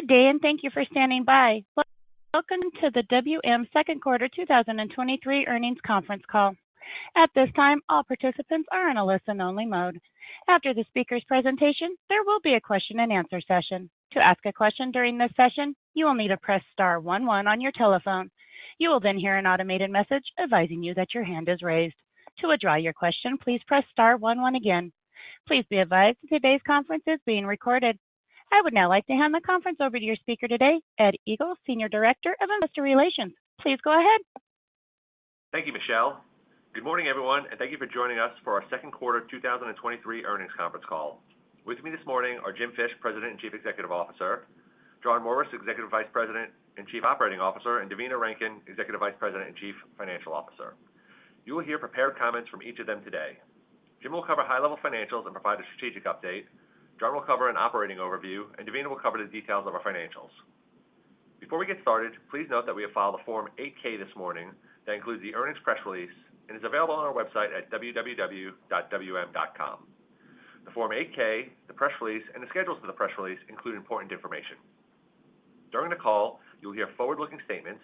Good day. Thank you for standing by. Welcome to the WM Second Quarter 2023 Earnings Conference Call. At this time, all participants are in a listen-only mode. After the speaker's presentation, there will be a question-and-answer session. To ask a question during this session, you will need to press star one one on your telephone. You will hear an automated message advising you that your hand is raised. To withdraw your question, please press star one one again. Please be advised, today's conference is being recorded. I would now like to hand the conference over to your speaker today, Ed Egl, Senior Director of Investor Relations. Please go ahead. Thank you, Michelle. Good morning, everyone, and thank you for joining us for our second quarter 2023 earnings conference call. With me this morning are Jim Fish, President and Chief Executive Officer, John Morris, Executive Vice President and Chief Operating Officer, and Devina Rankin, Executive Vice President and Chief Financial Officer. You will hear prepared comments from each of them today. Jim will cover high-level financials and provide a strategic update. John will cover an operating overview, and Devina will cover the details of our financials. Before we get started, please note that we have filed a Form 8-K this morning that includes the earnings press release and is available on our website at www.wm.com. The Form 8-K, the press release, and the schedules for the press release include important information. During the call, you will hear forward-looking statements,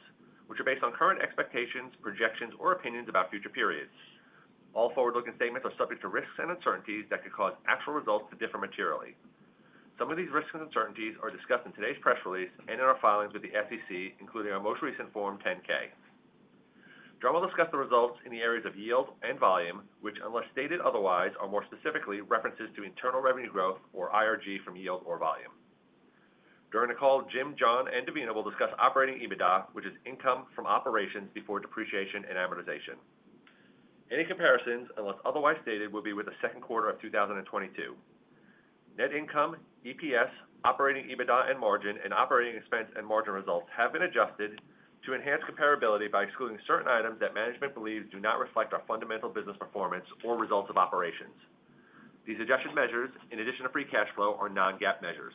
which are based on current expectations, projections, or opinions about future periods. All forward-looking statements are subject to risks and uncertainties that could cause actual results to differ materially. Some of these risks and uncertainties are discussed in today's press release and in our filings with the SEC, including our most recent Form 10-K. John will discuss the results in the areas of yield and volume, which, unless stated otherwise, are more specifically references to internal revenue growth, or IRG, from yield or volume. During the call, Jim, John, and Devina will discuss operating EBITDA, which is income from operations before depreciation and amortization. Any comparisons, unless otherwise stated, will be with the second quarter of 2022. Net income, EPS, operating EBITDA and margin, and operating expense and margin results have been adjusted to enhance comparability by excluding certain items that management believes do not reflect our fundamental business performance or results of operations. These adjusted measures, in addition to free cash flow, are non-GAAP measures.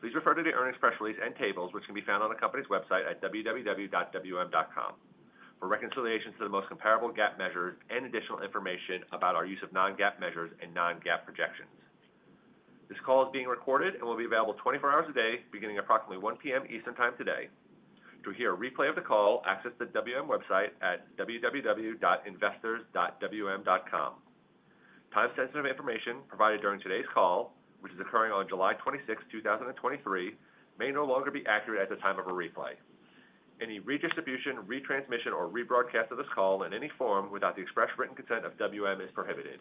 Please refer to the earnings press release and tables, which can be found on the company's website at www.wm.com for reconciliations to the most comparable GAAP measures and additional information about our use of non-GAAP measures and non-GAAP projections. This call is being recorded and will be available 24 hours a day, beginning approximately 1:00 P.M. Eastern Time today. To hear a replay of the call, access the WM website at www.investors.wm.com. Time-sensitive information provided during today's call, which is occurring on July 26, 2023, may no longer be accurate at the time of a replay. Any redistribution, retransmission, or rebroadcast of this call in any form without the express written consent of WM is prohibited.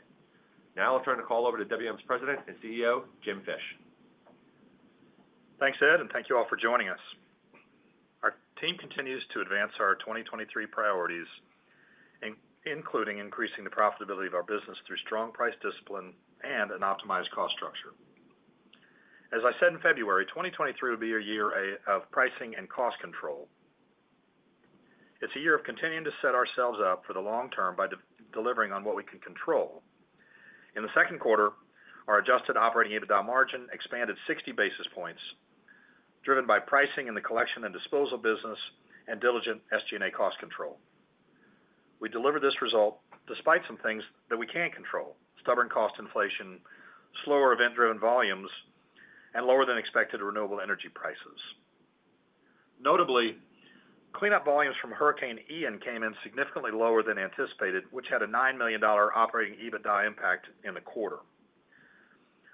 Now I'll turn the call over to WM's President and CEO, Jim Fish. Thanks, Ed, and thank you all for joining us. Our team continues to advance our 2023 priorities, including increasing the profitability of our business through strong price discipline and an optimized cost structure. As I said in February, 2023 will be a year of pricing and cost control. It's a year of continuing to set ourselves up for the long term by delivering on what we can control. In the second quarter, our adjusted operating EBITDA margin expanded 60 basis points, driven by pricing in the collection and disposal business and diligent SG&A cost control. We delivered this result despite some things that we can't control: stubborn cost inflation, slower event-driven volumes, and lower-than-expected renewable energy prices. Notably, cleanup volumes from Hurricane Ian came in significantly lower than anticipated, which had a $9 million operating EBITDA impact in the quarter.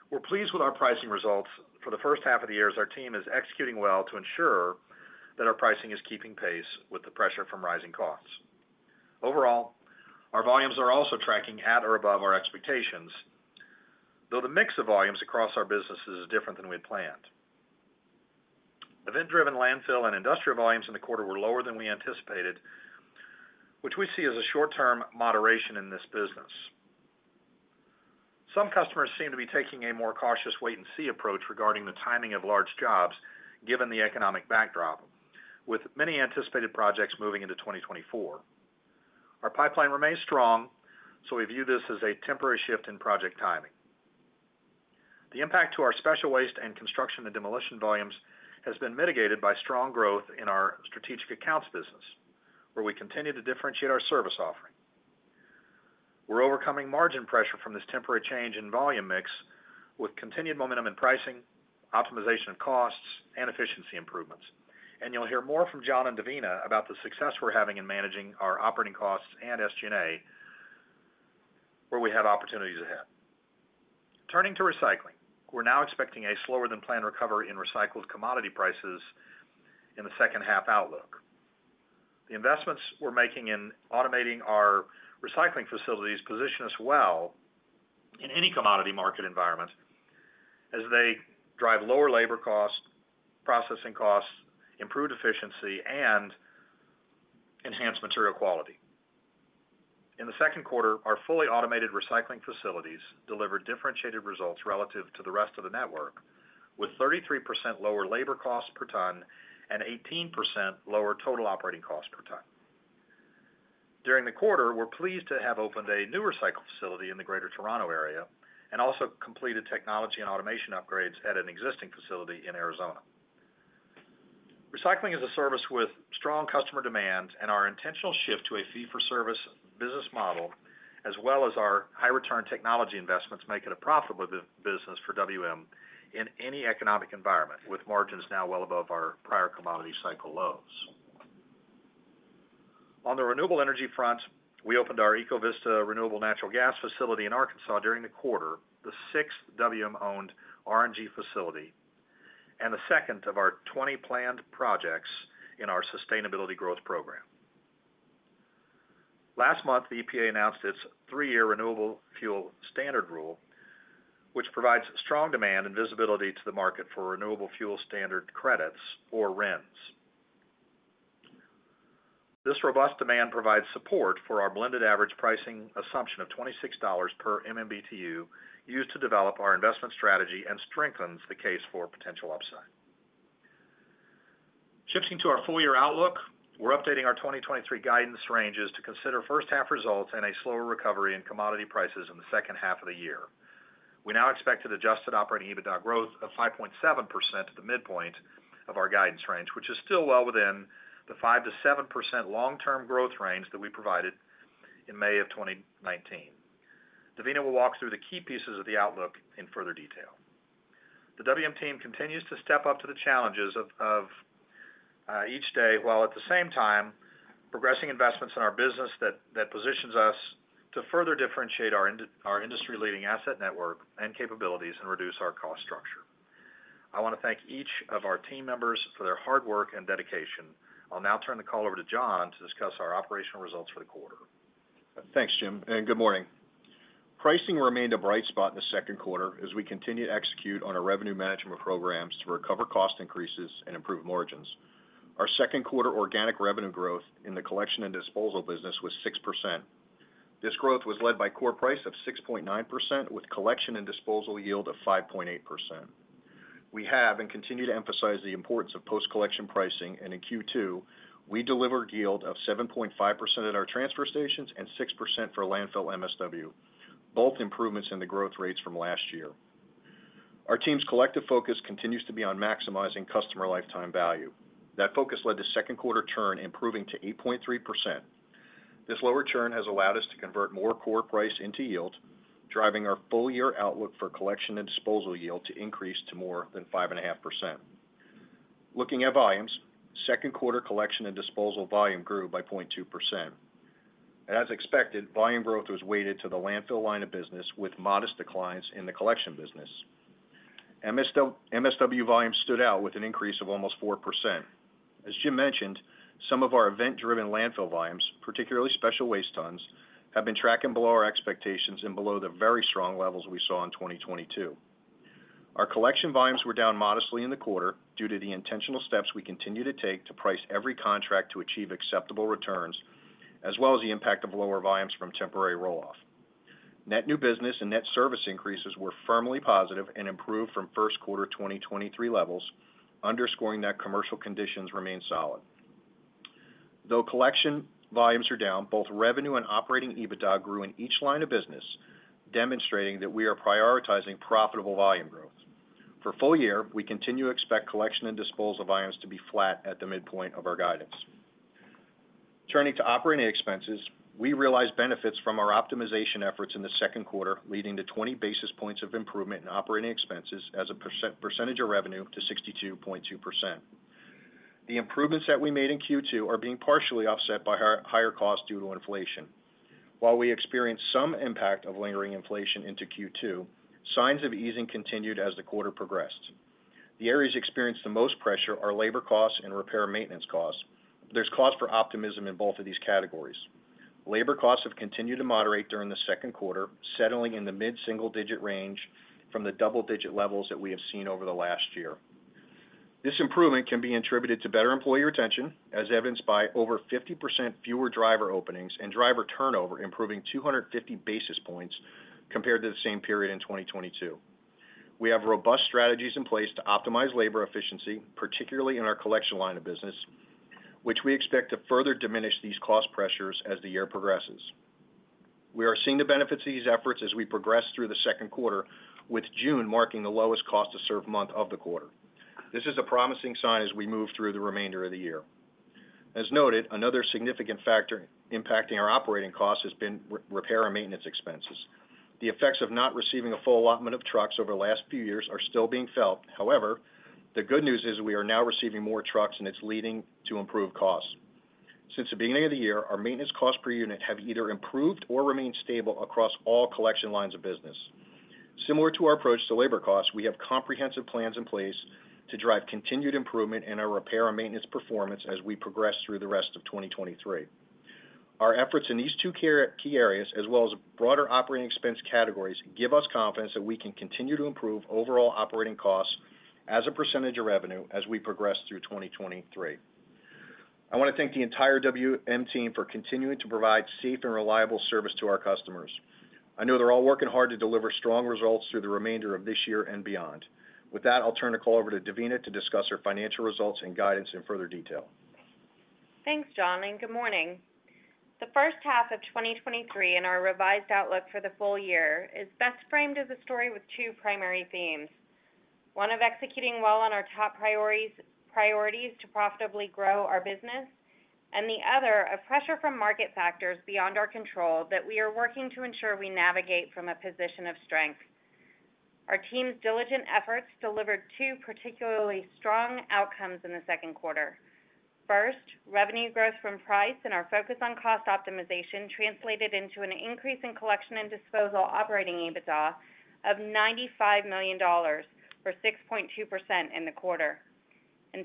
We're pleased with our pricing results for the first half of the year, as our team is executing well to ensure that our pricing is keeping pace with the pressure from rising costs. Overall, our volumes are also tracking at or above our expectations, though the mix of volumes across our businesses is different than we had planned. Event-driven landfill and industrial volumes in the quarter were lower than we anticipated, which we see as a short-term moderation in this business. Some customers seem to be taking a more cautious wait and see approach regarding the timing of large jobs, given the economic backdrop, with many anticipated projects moving into 2024. Our pipeline remains strong, so we view this as a temporary shift in project timing. The impact to our special waste and Construction and Demolition volumes has been mitigated by strong growth in our strategic accounts business, where we continue to differentiate our service offering. We're overcoming margin pressure from this temporary change in volume mix with continued momentum in pricing, optimization of costs, and efficiency improvements. You'll hear more from John and Devina about the success we're having in managing our operating costs and SG&A, where we have opportunities ahead. Turning to recycling. We're now expecting a slower-than-planned recovery in recycled commodity prices in the second half outlook. The investments we're making in automating our recycling facilities position us well in any commodity market environment as they drive lower labor costs, processing costs, improved efficiency, and enhanced material quality. In the second quarter, our fully automated recycling facilities delivered differentiated results relative to the rest of the network, with 33% lower labor costs per ton and 18% lower total operating costs per ton. During the quarter, we're pleased to have opened a new recycle facility in the Greater Toronto area and also completed technology and automation upgrades at an existing facility in Arizona. Recycling is a service with strong customer demand, and our intentional shift to a fee-for-service business model, as well as our high return technology investments, make it a profitable business for WM in any economic environment, with margins now well above our prior commodity cycle lows. On the renewable energy front, we opened our Eco Vista Renewable Natural Gas facility in Arkansas during the quarter, the sixth WM-owned RNG facility, and the second of our 20 planned projects in our sustainability growth program. Last month, the EPA announced its three-year Renewable Fuel Standard rule, which provides strong demand and visibility to the market for Renewable Fuel Standard credits, or RINs. This robust demand provides support for our blended average pricing assumption of $26 per MMBtu, used to develop our investment strategy and strengthens the case for potential upside. Shifting to our full year outlook, we're updating our 2023 guidance ranges to consider first half results and a slower recovery in commodity prices in the second half of the year. We now expect an adjusted operating EBITDA growth of 5.7% at the midpoint of our guidance range, which is still well within the 5%-7% long-term growth range that we provided in May of 2019. Devina will walk through the key pieces of the outlook in further detail. The WM team continues to step up to the challenges of each day, while at the same time, progressing investments in our business that positions us to further differentiate our industry-leading asset network and capabilities and reduce our cost structure. I want to thank each of our team members for their hard work and dedication. I'll now turn the call over to John to discuss our operational results for the quarter. Thanks, Jim, and good morning. Pricing remained a bright spot in the second quarter as we continue to execute on our revenue management programs to recover cost increases and improve margins. Our second quarter organic revenue growth in the collection and disposal business was 6%. This growth was led by core price of 6.9%, with collection and disposal yield of 5.8%. We have and continue to emphasize the importance of post-collection pricing, and in Q2, we delivered yield of 7.5% at our transfer stations and 6% for landfill MSW, both improvements in the growth rates from last year. Our team's collective focus continues to be on maximizing customer lifetime value. That focus led to second quarter churn improving to 8.3%. This lower churn has allowed us to convert more core price into yield, driving our full year outlook for collection and disposal yield to increase to more than 5.5%. Looking at volumes, second quarter collection and disposal volume grew by 0.2%. As expected, volume growth was weighted to the landfill line of business, with modest declines in the collection business. MSW volume stood out with an increase of almost 4%. As Jim mentioned, some of our event-driven landfill volumes, particularly special waste tons, have been tracking below our expectations and below the very strong levels we saw in 2022. Our collection volumes were down modestly in the quarter due to the intentional steps we continue to take to price every contract to achieve acceptable returns, as well as the impact of lower volumes from temporary roll-off. Net new business and net service increases were firmly positive and improved from first quarter 2023 levels, underscoring that commercial conditions remain solid. Though collection volumes are down, both revenue and operating EBITDA grew in each line of business, demonstrating that we are prioritizing profitable volume growth. For full year, we continue to expect collection and disposal volumes to be flat at the midpoint of our guidance. Turning to operating expenses, we realized benefits from our optimization efforts in the second quarter, leading to 20 basis points of improvement in operating expenses as a percentage of revenue to 62.2%. The improvements that we made in Q2 are being partially offset by higher costs due to inflation. While we experienced some impact of lingering inflation into Q2, signs of easing continued as the quarter progressed. The areas experienced the most pressure are labor costs and repair and maintenance costs. There's cause for optimism in both of these categories. Labor costs have continued to moderate during the second quarter, settling in the mid-single digit range from the double-digit levels that we have seen over the last year. This improvement can be attributed to better employee retention, as evidenced by over 50% fewer driver openings and driver turnover improving 250 basis points compared to the same period in 2022. We have robust strategies in place to optimize labor efficiency, particularly in our collection line of business, which we expect to further diminish these cost pressures as the year progresses. We are seeing the benefits of these efforts as we progress through the second quarter, with June marking the lowest cost to serve month of the quarter. This is a promising sign as we move through the remainder of the year. As noted, another significant factor impacting our operating costs has been repair and maintenance expenses. The effects of not receiving a full allotment of trucks over the last few years are still being felt. The good news is we are now receiving more trucks, and it's leading to improved costs. Since the beginning of the year, our maintenance costs per unit have either improved or remained stable across all collection lines of business. Similar to our approach to labor costs, we have comprehensive plans in place to drive continued improvement in our repair and maintenance performance as we progress through the rest of 2023. Our efforts in these two key areas, as well as broader operating expense categories, give us confidence that we can continue to improve overall operating costs as a percentage of revenue as we progress through 2023. I want to thank the entire WM team for continuing to provide safe and reliable service to our customers. I know they're all working hard to deliver strong results through the remainder of this year and beyond. I'll turn the call over to Devina to discuss our financial results and guidance in further detail. Thanks, John, and good morning. The first half of 2023 and our revised outlook for the full year is best framed as a story with two primary themes. One, of executing well on our top priorities to profitably grow our business, and the other, a pressure from market factors beyond our control that we are working to ensure we navigate from a position of strength. Our team's diligent efforts delivered two particularly strong outcomes in the second quarter. First, revenue growth from price and our focus on cost optimization translated into an increase in collection and disposal operating EBITDA of $95 million, or 6.2% in the quarter.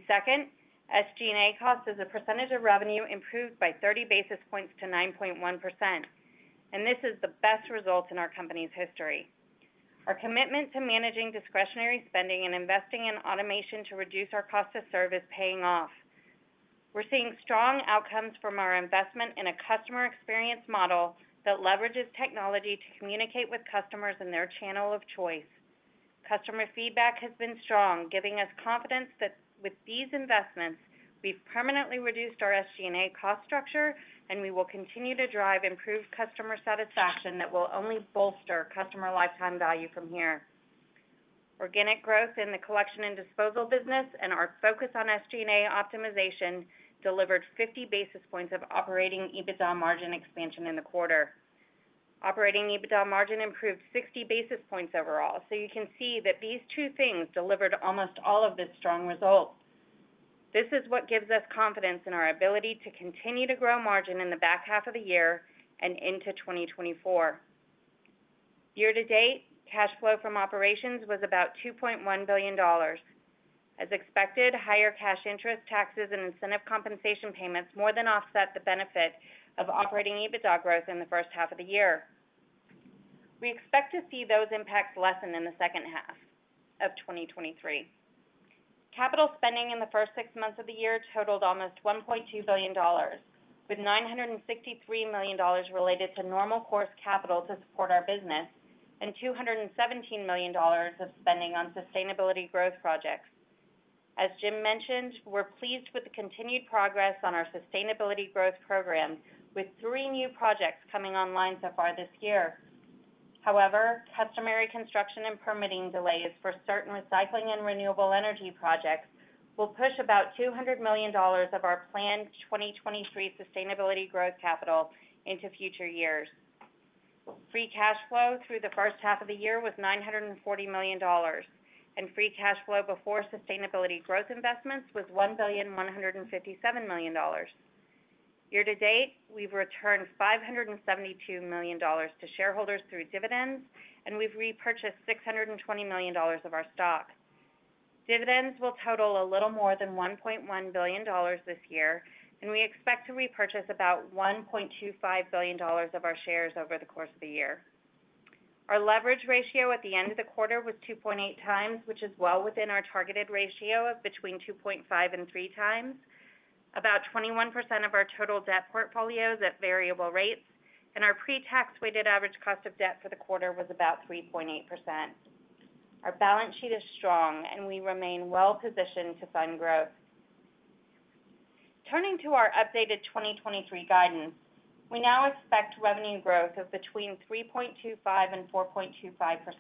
Second, SG&A costs as a percentage of revenue improved by 30 basis points to 9.1%, and this is the best result in our company's history. Our commitment to managing discretionary spending and investing in automation to reduce our cost of service is paying off. We're seeing strong outcomes from our investment in a customer experience model that leverages technology to communicate with customers in their channel of choice. Customer feedback has been strong, giving us confidence that with these investments, we've permanently reduced our SG&A cost structure, and we will continue to drive improved customer satisfaction that will only bolster customer lifetime value from here. Organic growth in the collection and disposal business and our focus on SG&A optimization delivered 50 basis points of operating EBITDA margin expansion in the quarter. Operating EBITDA margin improved 60 basis points overall. You can see that these two things delivered almost all of this strong result. This is what gives us confidence in our ability to continue to grow margin in the back half of the year and into 2024. Year to date, cash flow from operations was about $2.1 billion. As expected, higher cash interest, taxes, and incentive compensation payments more than offset the benefit of operating EBITDA growth in the first half of the year. We expect to see those impacts lessen in the second half of 2023. Capital spending in the first six months of the year totaled almost $1.2 billion, with $963 million related to normal course capital to support our business and $217 million of spending on sustainability growth projects. As Jim mentioned, we're pleased with the continued progress on our sustainability growth program, with three new projects coming online so far this year. Customary construction and permitting delays for certain recycling and renewable energy projects will push about $200 million of our planned 2023 sustainability growth capital into future years. Free cash flow through the first half of the year was $940 million. Free cash flow before sustainability growth investments was $1.157 billion. Year to date, we've returned $572 million to shareholders through dividends. We've repurchased $620 million of our stock. Dividends will total a little more than $1.1 billion this year. We expect to repurchase about $1.25 billion of our shares over the course of the year. Our leverage ratio at the end of the quarter was 2.8x, which is well within our targeted ratio of between 2.5 and 3x. About 21% of our total debt portfolio is at variable rates, and our pre-tax weighted average cost of debt for the quarter was about 3.8%. Our balance sheet is strong, and we remain well positioned to fund growth. Turning to our updated 2023 guidance, we now expect revenue growth of between 3.25% and 4.25%.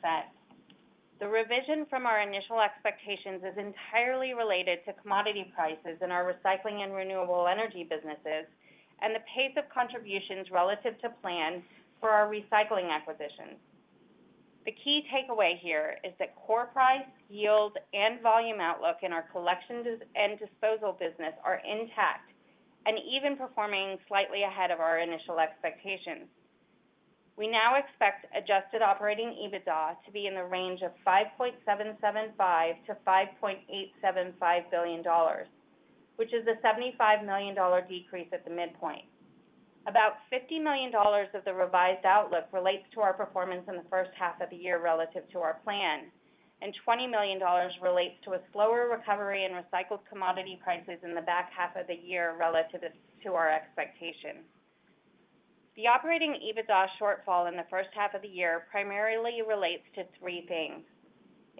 The revision from our initial expectations is entirely related to commodity prices in our recycling and renewable energy businesses and the pace of contributions relative to plan for our recycling acquisitions. The key takeaway here is that core price, yield, and volume outlook in our collection and disposal business are intact and even performing slightly ahead of our initial expectations. We now expect adjusted operating EBITDA to be in the range of $5.775 billion-$5.875 billion, which is a $75 million decrease at the midpoint. About $50 million of the revised outlook relates to our performance in the first half of the year relative to our plan, and $20 million relates to a slower recovery in recycled commodity prices in the back half of the year relative to our expectations. The operating EBITDA shortfall in the first half of the year primarily relates to three things: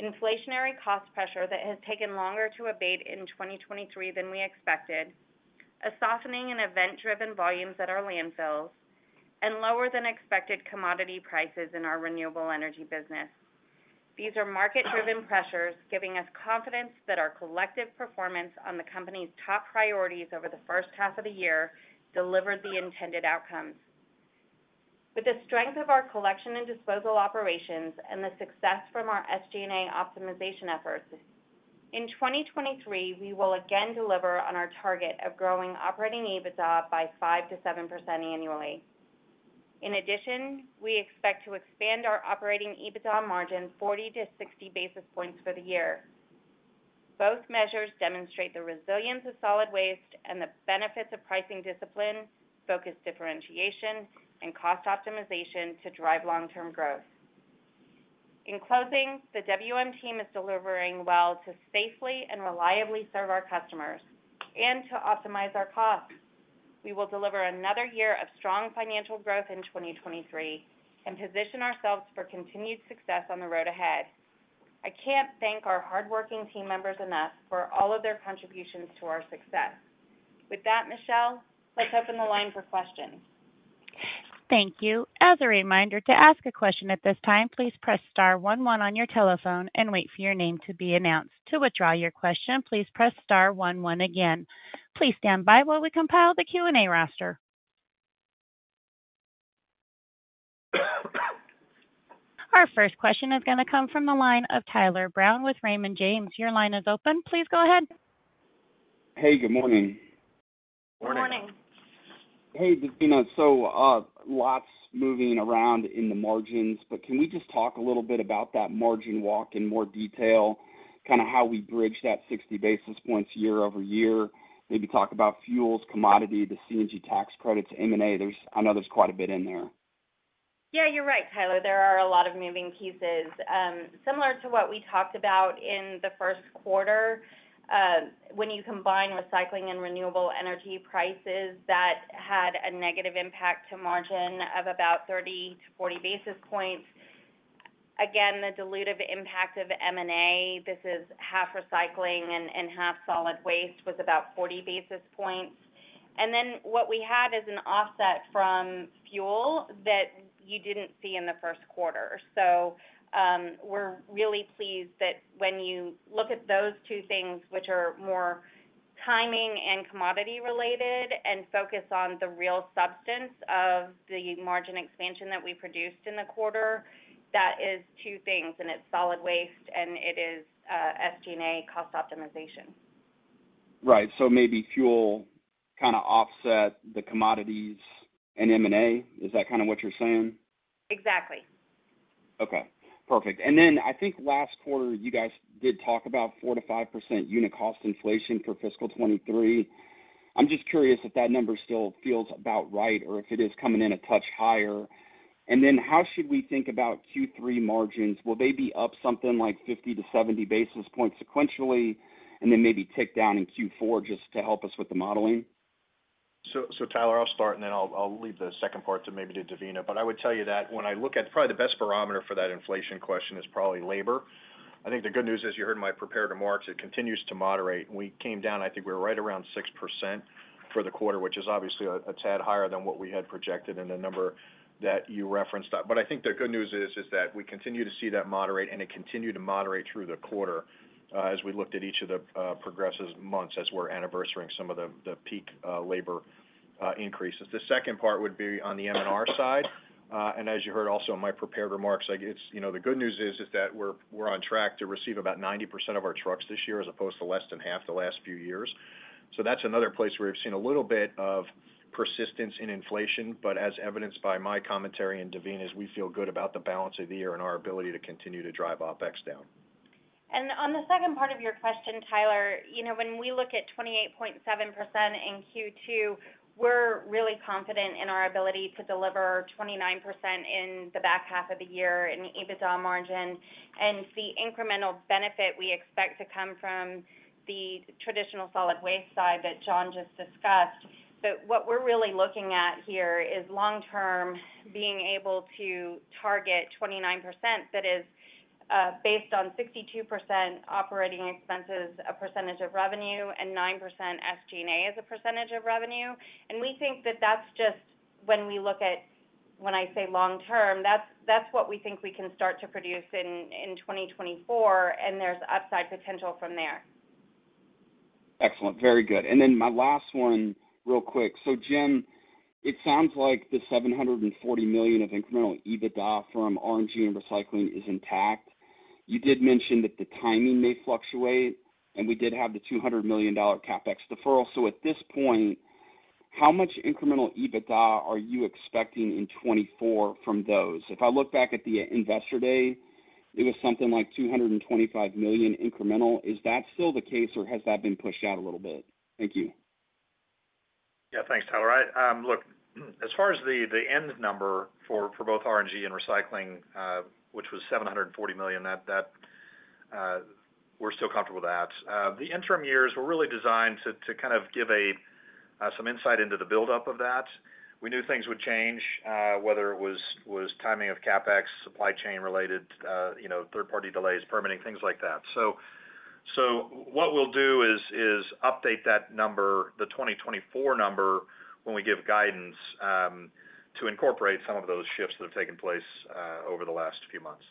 inflationary cost pressure that has taken longer to abate in 2023 than we expected, a softening in event-driven volumes at our landfills, and lower than expected commodity prices in our renewable energy business. These are market-driven pressures, giving us confidence that our collective performance on the company's top priorities over the first half of the year delivered the intended outcomes. With the strength of our collection and disposal operations and the success from our SG&A optimization efforts, in 2023, we will again deliver on our target of growing operating EBITDA by 5%-7% annually. In addition, we expect to expand our operating EBITDA margin 40 to 60 basis points for the year. Both measures demonstrate the resilience of solid waste and the benefits of pricing discipline, focused differentiation, and cost optimization to drive long-term growth. In closing, the WM team is delivering well to safely and reliably serve our customers and to optimize our costs. We will deliver another year of strong financial growth in 2023 and position ourselves for continued success on the road ahead. I can't thank our hardworking team members enough for all of their contributions to our success. With that, Michelle, let's open the line for questions. Thank you. As a reminder, to ask a question at this time, please press star one on your telephone and wait for your name to be announced. To withdraw your question, please press star one again. Please stand by while we compile the Q&A roster. Our first question is going to come from the line of Tyler Brown with Raymond James. Your line is open. Please go ahead. Hey, good morning. Good morning. Hey, Devina. Lots moving around in the margins, can we just talk a little bit about that margin walk in more detail? How we bridge that 60 basis points year-over-year? Talk about fuels, commodity, the CNG tax credits, M&A. I know there's quite a bit in there. Yeah, you're right, Tyler. There are a lot of moving pieces. Similar to what we talked about in the first quarter, when you combine recycling and renewable energy prices, that had a negative impact to margin of about 30 to 40 basis points. The dilutive impact of M&A, this is half recycling and half solid waste, was about 40 basis points. What we had is an offset from fuel that you didn't see in the first quarter. We're really pleased that when you look at those 2 things, which are more timing and commodity related, and focus on the real substance of the margin expansion that we produced in the quarter, that is 2 things, and it's solid waste, and it is SG&A cost optimization. Right. Maybe fuel kind of offset the commodities and M&A. Is that kind of what you're saying? Exactly. Okay, perfect. I think last quarter, you guys did talk about 4%-5% unit cost inflation for fiscal 2023. I'm just curious if that number still feels about right, or if it is coming in a touch higher. How should we think about Q3 margins? Will they be up something like 50 to 70 basis points sequentially, and then maybe tick down in Q4 just to help us with the modeling? Tyler, I'll start, and then I'll leave the second part to maybe to Devina. I would tell you that when I look at probably the best barometer for that inflation question is probably labor. I think the good news is, you heard in my prepared remarks, it continues to moderate. We came down, I think we're right around 6% for the quarter, which is obviously a tad higher than what we had projected in the number that you referenced. I think the good news is that we continue to see that moderate, and it continued to moderate through the quarter, as we looked at each of the progressive months, as we're anniversarying some of the peak labor increases. The second part would be on the M&R side. As you heard also in my prepared remarks, I guess, you know, the good news is that we're on track to receive about 90% of our trucks this year, as opposed to less than half the last few years. That's another place where we've seen a little bit of persistence in inflation, but as evidenced by my commentary and Devina's, we feel good about the balance of the year and our ability to continue to drive OpEx down. On the second part of your question, Tyler, you know, when we look at 28.7% in Q2, we're really confident in our ability to deliver 29% in the back half of the year in the EBITDA margin and the incremental benefit we expect to come from the traditional solid waste side that John just discussed. What we're really looking at here is long-term, being able to target 29% that is based on 62% operating expenses, a percentage of revenue, and 9% SG&A as a percentage of revenue. We think that that's just when we look at, when I say long term, that's what we think we can start to produce in 2024, and there's upside potential from there. Excellent. Very good. My last one, real quick. Jim, it sounds like the $740 million of incremental EBITDA from RNG and recycling is intact. You did mention that the timing may fluctuate, and we did have the $200 million CapEx deferral. At this point, how much incremental EBITDA are you expecting in 2024 from those? If I look back at the Investor Day, it was something like $225 million incremental. Is that still the case, or has that been pushed out a little bit? Thank you. Thanks, Tyler. I look, as far as the end number for both RNG and recycling, which was $740 million, we're still comfortable with that. The interim years were really designed to kind of give some insight into the buildup of that. We knew things would change, whether it was timing of CapEx, supply chain related, you know, third-party delays, permitting, things like that. What we'll do is update that number, the 2024 number, when we give guidance, to incorporate some of those shifts that have taken place over the last few months.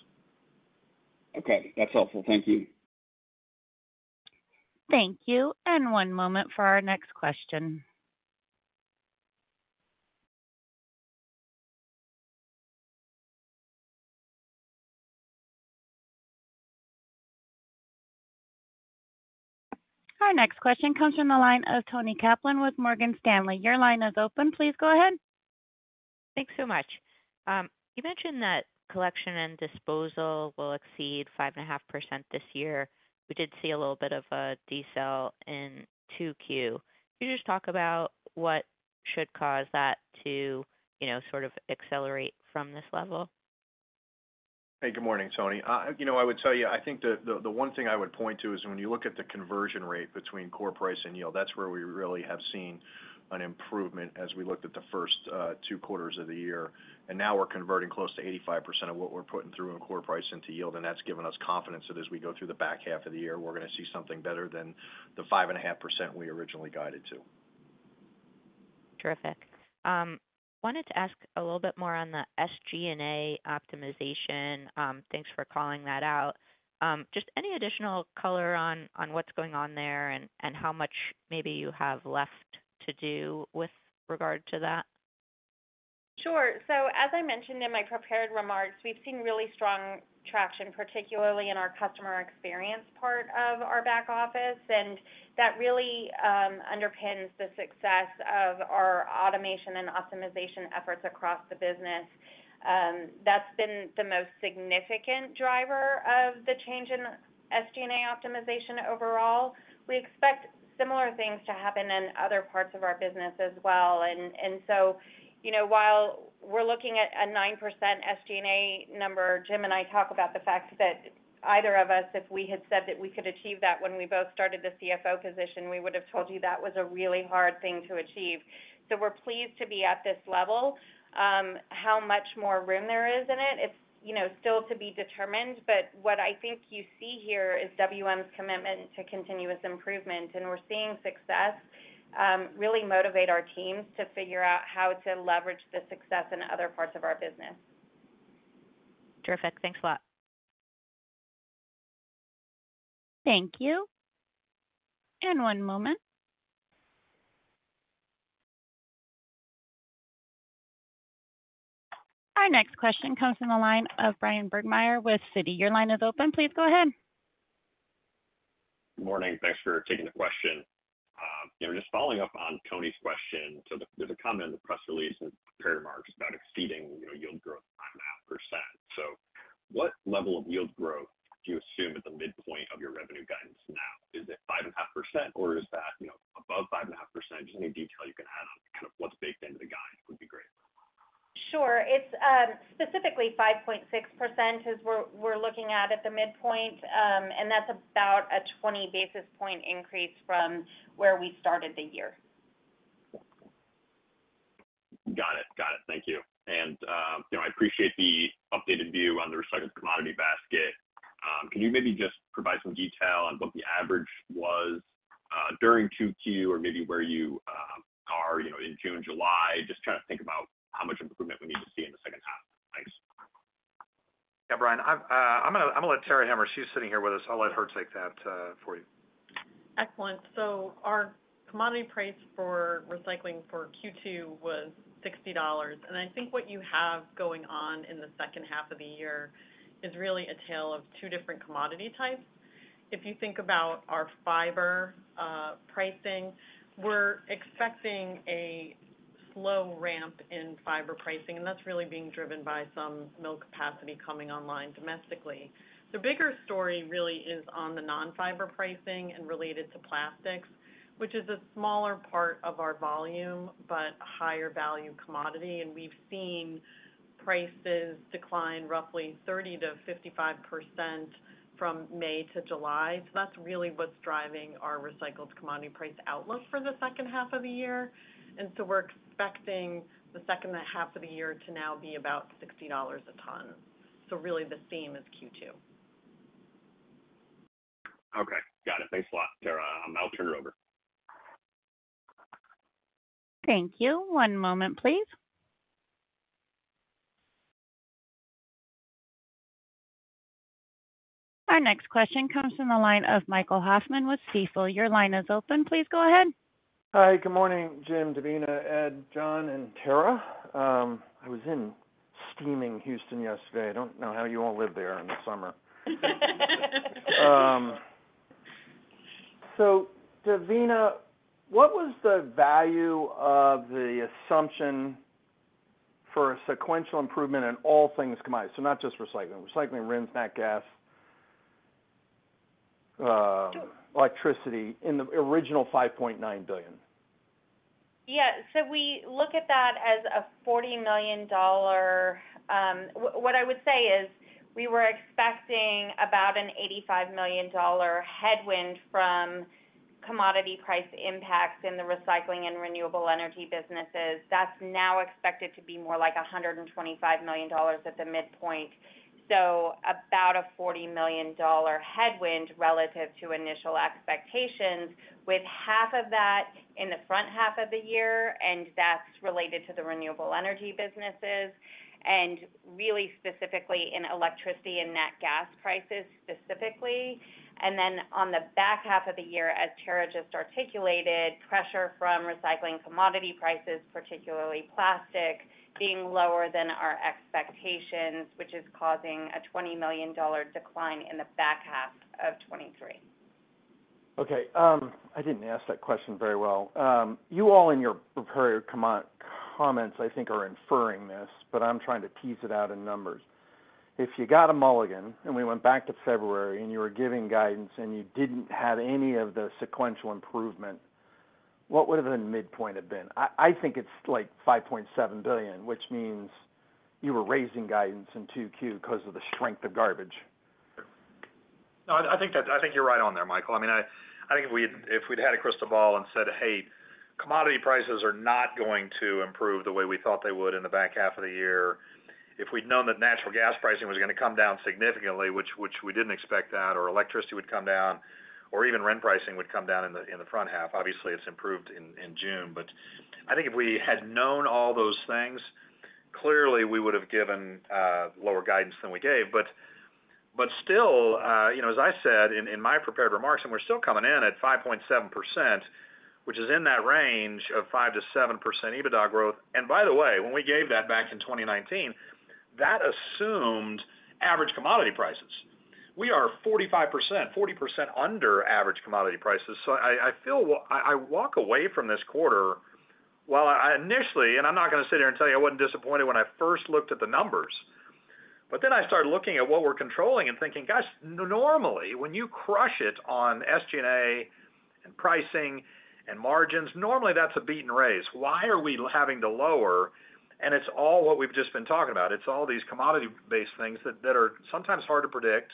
Okay. That's helpful. Thank you. Thank you. One moment for our next question. Our next question comes from the line of Toni Kaplan with Morgan Stanley. Your line is open. Please go ahead. Thanks so much. You mentioned that collection and disposal will exceed 5.5% this year. We did see a little bit of a decel in 2Q. Can you just talk about what should cause that to, you know, sort of accelerate from this level? Hey, good morning, Tony. you know, I would tell you, I think the one thing I would point to is when you look at the conversion rate between core price and yield, that's where we really have seen an improvement as we looked at the first two quarters of the year. Now we're converting close to 85% of what we're putting through in core price into yield, that's given us confidence that as we go through the back half of the year, we're gonna see something better than the 5.5% we originally guided to. Terrific. wanted to ask a little bit more on the SG&A optimization. thanks for calling that out. just any additional color on what's going on there and how much maybe you have left to do with regard to that? Sure. As I mentioned in my prepared remarks, we've seen really strong traction, particularly in our customer experience part of our back office, and that really underpins the success of our automation and optimization efforts across the business. That's been the most significant driver of the change in SG&A optimization overall. We expect similar things to happen in other parts of our business as well. You know, while we're looking at a 9% SG&A number, Jim and I talk about the fact that either of us, if we had said that we could achieve that when we both started the CFO position, we would have told you that was a really hard thing to achieve. We're pleased to be at this level. How much more room there is in it? It's, you know, still to be determined, but what I think you see here is WM's commitment to continuous improvement, and we're seeing success, really motivate our teams to figure out how to leverage the success in other parts of our business. Terrific. Thanks a lot. Thank you. one moment. Our next question comes from the line of Bryan Burgmeier with Citi. Your line is open. Please go ahead. Good morning. Thanks for taking the question. you know, just following up on Tony's question. There, there's a comment in the press release and prepared remarks about exceeding, you know, yield growth 5.5%. What level of yield growth do you assume at the midpoint of your revenue guidance now? Is it 5.5%, or is that, you know, above 5.5%? Just any detail you can add on kind of what's baked into the guide would be great. Sure. It's specifically 5.6% is we're looking at the midpoint. That's about a 20 basis point increase from where we started the year. Got it. Got it. Thank you. You know, I appreciate the updated view on the recycled commodity basket. Can you maybe just provide some detail on what the average was during 2Q or maybe where you are, you know, in June, July? Just trying to think about how much improvement we need to see in the second half. Thanks. Yeah, Bryan, I've, I'm gonna let Tara Hemmer. She's sitting here with us. I'll let her take that for you. Excellent. Our commodity price for recycling for Q2 was $60. I think what you have going on in the second half of the year is really a tale of two different commodity types. If you think about our fiber pricing, we're expecting a slow ramp in fiber pricing. That's really being driven by some mill capacity coming online domestically. The bigger story really is on the non-fiber pricing and related to plastics, which is a smaller part of our volume, but a higher value commodity. We've seen prices decline roughly 30%-55% from May to July. That's really what's driving our recycled commodity price outlook for the second half of the year. We're expecting the second half of the year to now be about $60 a ton. Really, the same as Q2. Okay, got it. Thanks a lot, Tara. I'll turn it over. Thank you. One moment, please. Our next question comes from the line of Michael Hoffman with Stifel. Your line is open. Please go ahead. Hi, good morning, Jim, Devina, Ed, John, and Tara. I was in steaming Houston yesterday. I don't know how you all live there in the summer. Devina, what was the value of the assumption for a sequential improvement in all things combined? Not just recycling, RINs, nat gas, electricity in the original $5.9 billion. Yeah. We look at that as a $40 million. What I would say is, we were expecting about an $85 million headwind from commodity price impacts in the recycling and renewable energy businesses. That's now expected to be more like $125 million at the midpoint. About a $40 million headwind relative to initial expectations, with half of that in the front half of the year, and that's related to the renewable energy businesses, and really specifically in electricity and net gas prices specifically. On the back half of the year, as Tara just articulated, pressure from recycling commodity prices, particularly plastic, being lower than our expectations, which is causing a $20 million decline in the back half of 2023. Okay, I didn't ask that question very well. You all in your prepared comments, I think, are inferring this, but I'm trying to tease it out in numbers. If you got a mulligan, and we went back to February, and you were giving guidance, and you didn't have any of the sequential improvement. What would have been the midpoint have been? I think it's like $5.7 billion, which means you were raising guidance in 2Q, 'cause of the strength of garbage. No, I think you're right on there, Michael. I mean, I think if we'd had a crystal ball and said, "Hey, commodity prices are not going to improve the way we thought they would in the back half of the year." If we'd known that natural gas pricing was gonna come down significantly, which we didn't expect that, or electricity would come down, or even rent pricing would come down in the front half, obviously, it's improved in June. I think if we had known all those things, clearly, we would've given lower guidance than we gave. But still, you know, as I said in my prepared remarks, and we're still coming in at 5.7%, which is in that range of 5%-7% EBITDA growth. By the way, when we gave that back in 2019, that assumed average commodity prices. We are 45%, 40% under average commodity prices. I feel I walk away from this quarter. Well, initially, I'm not gonna sit here and tell you I wasn't disappointed when I first looked at the numbers, then I started looking at what we're controlling and thinking, gosh, normally, when you crush it on SG&A, and pricing, and margins, normally, that's a beaten race. Why are we having to lower? It's all what we've just been talking about. It's all these commodity-based things that are sometimes hard to predict.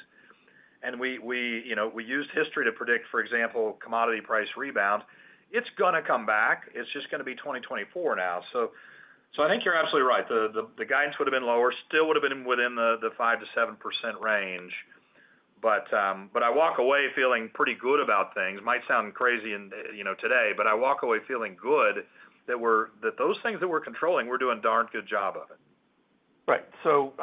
We, you know, we used history to predict, for example, commodity price rebound. It's gonna come back. It's just gonna be 2024 now. I think you're absolutely right. The guidance would have been lower, still would have been within the 5%-7% range. I walk away feeling pretty good about things. Might sound crazy, and, you know, today, I walk away feeling good that those things that we're controlling, we're doing a darn good job of it. Right.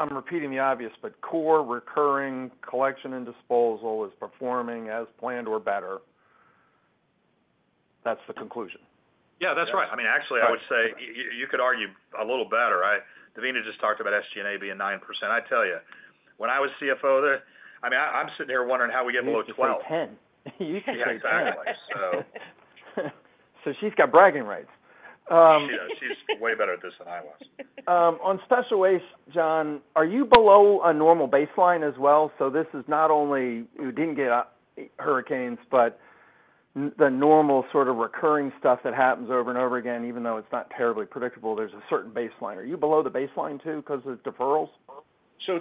I'm repeating the obvious, but core recurring collection and disposal is performing as planned or better. That's the conclusion? Yeah, that's right. I mean, actually, I would say you could argue a little better, right? Devina just talked about SG&A being 9%. I tell you, when I was CFO there, I mean, I'm sitting here wondering how we get below 12. 10. You guys said 10. Yeah, exactly. She's got bragging rights. She is. She's way better at this than I was. On special waste, John, are you below a normal baseline as well? This is not only you didn't get hurricanes, but the normal sort of recurring stuff that happens over and over again, even though it's not terribly predictable, there's a certain baseline. Are you below the baseline, too, 'cause of deferrals?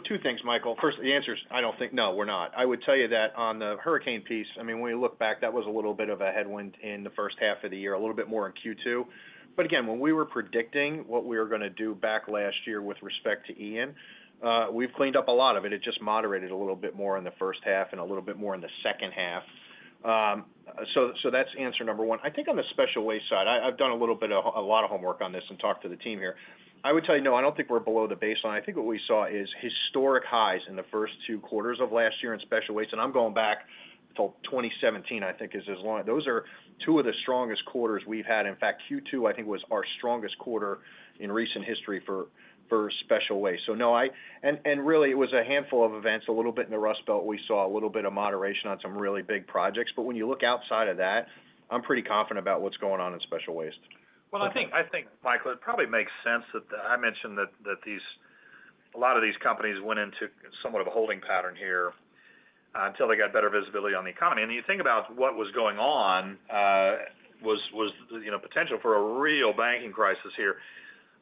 Two things, Michael. First, the answer is, I don't think. No, we're not. I would tell you that on the hurricane piece, I mean, when you look back, that was a little bit of a headwind in the first half of the year, a little bit more in Q2. Again, when we were predicting what we were gonna do back last year with respect to Hurricane Ian, we've cleaned up a lot of it. It just moderated a little bit more in the first half and a little bit more in the second half. That's answer number one. I think on the special waste side, I've done a lot of homework on this and talked to the team here. I would tell you, no, I don't think we're below the baseline. I think what we saw is historic highs in the first two quarters of last year in special waste. I'm going back till 2017, I think, is as long. Those are two of the strongest quarters we've had. In fact, Q2, I think, was our strongest quarter in recent history for special waste. No, and really, it was a handful of events, a little bit in the Rust Belt. We saw a little bit of moderation on some really big projects. When you look outside of that, I'm pretty confident about what's going on in special waste. Well, I think, Michael, it probably makes sense that, I mentioned that these, a lot of these companies went into somewhat of a holding pattern here, until they got better visibility on the economy. You think about what was going on, you know, potential for a real banking crisis here.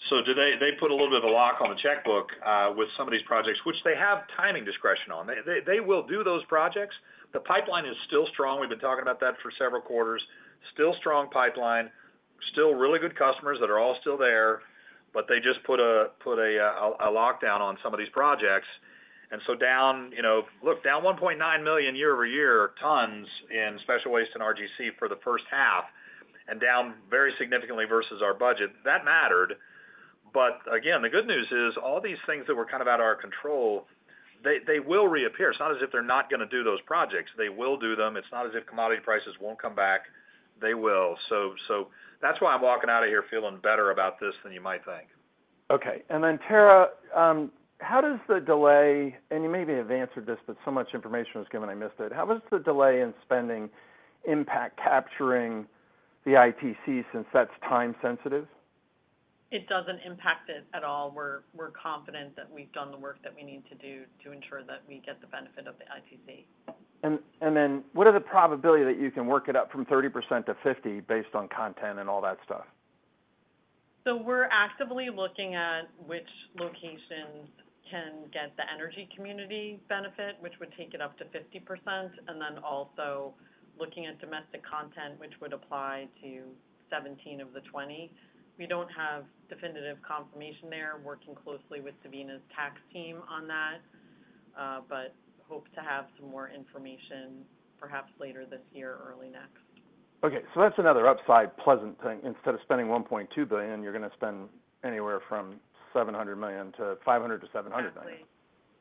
They put a little bit of a lock on the checkbook, with some of these projects, which they have timing discretion on. They will do those projects. The pipeline is still strong. We've been talking about that for several quarters. Still strong pipeline, still really good customers that are all still there, but they just put a lockdown on some of these projects. Down, you know, look, down 1.9 million year-over-year tons in special waste and C&D for the first half, and down very significantly versus our budget. That mattered. Again, the good news is, all these things that were kind of out of our control, they will reappear. It's not as if they're not gonna do those projects. They will do them. It's not as if commodity prices won't come back. They will. That's why I'm walking out of here feeling better about this than you might think. Okay. Tara, how does the delay, and you maybe have answered this, but so much information was given, I missed it. How does the delay in spending impact capturing the ITC, since that's time-sensitive? It doesn't impact it at all. We're confident that we've done the work that we need to do to ensure that we get the benefit of the ITC. Then what are the probability that you can work it up from 30% to 50%, based on content and all that stuff? We're actively looking at which locations can get the energy community benefit, which would take it up to 50%, and then also looking at domestic content, which would apply to 17 of the 20. We don't have definitive confirmation there. Working closely with Devina's tax team on that, but hope to have some more information, perhaps later this year or early next. That's another upside, pleasant thing. Instead of spending $1.2 billion, you're gonna spend anywhere from $500 million-$700 million. Exactly.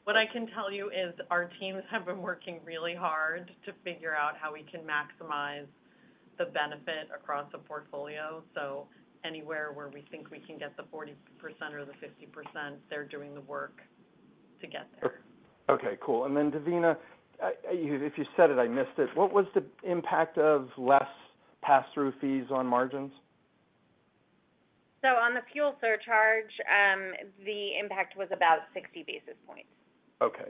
What I can tell you is our teams have been working really hard to figure out how we can maximize the benefit across the portfolio. Anywhere where we think we can get the 40% or the 50%, they're doing the work to get there. Okay, cool. Devina, If you said it, I missed it: What was the impact of less pass-through fees on margins? ... on the fuel surcharge, the impact was about 60 basis points. Okay.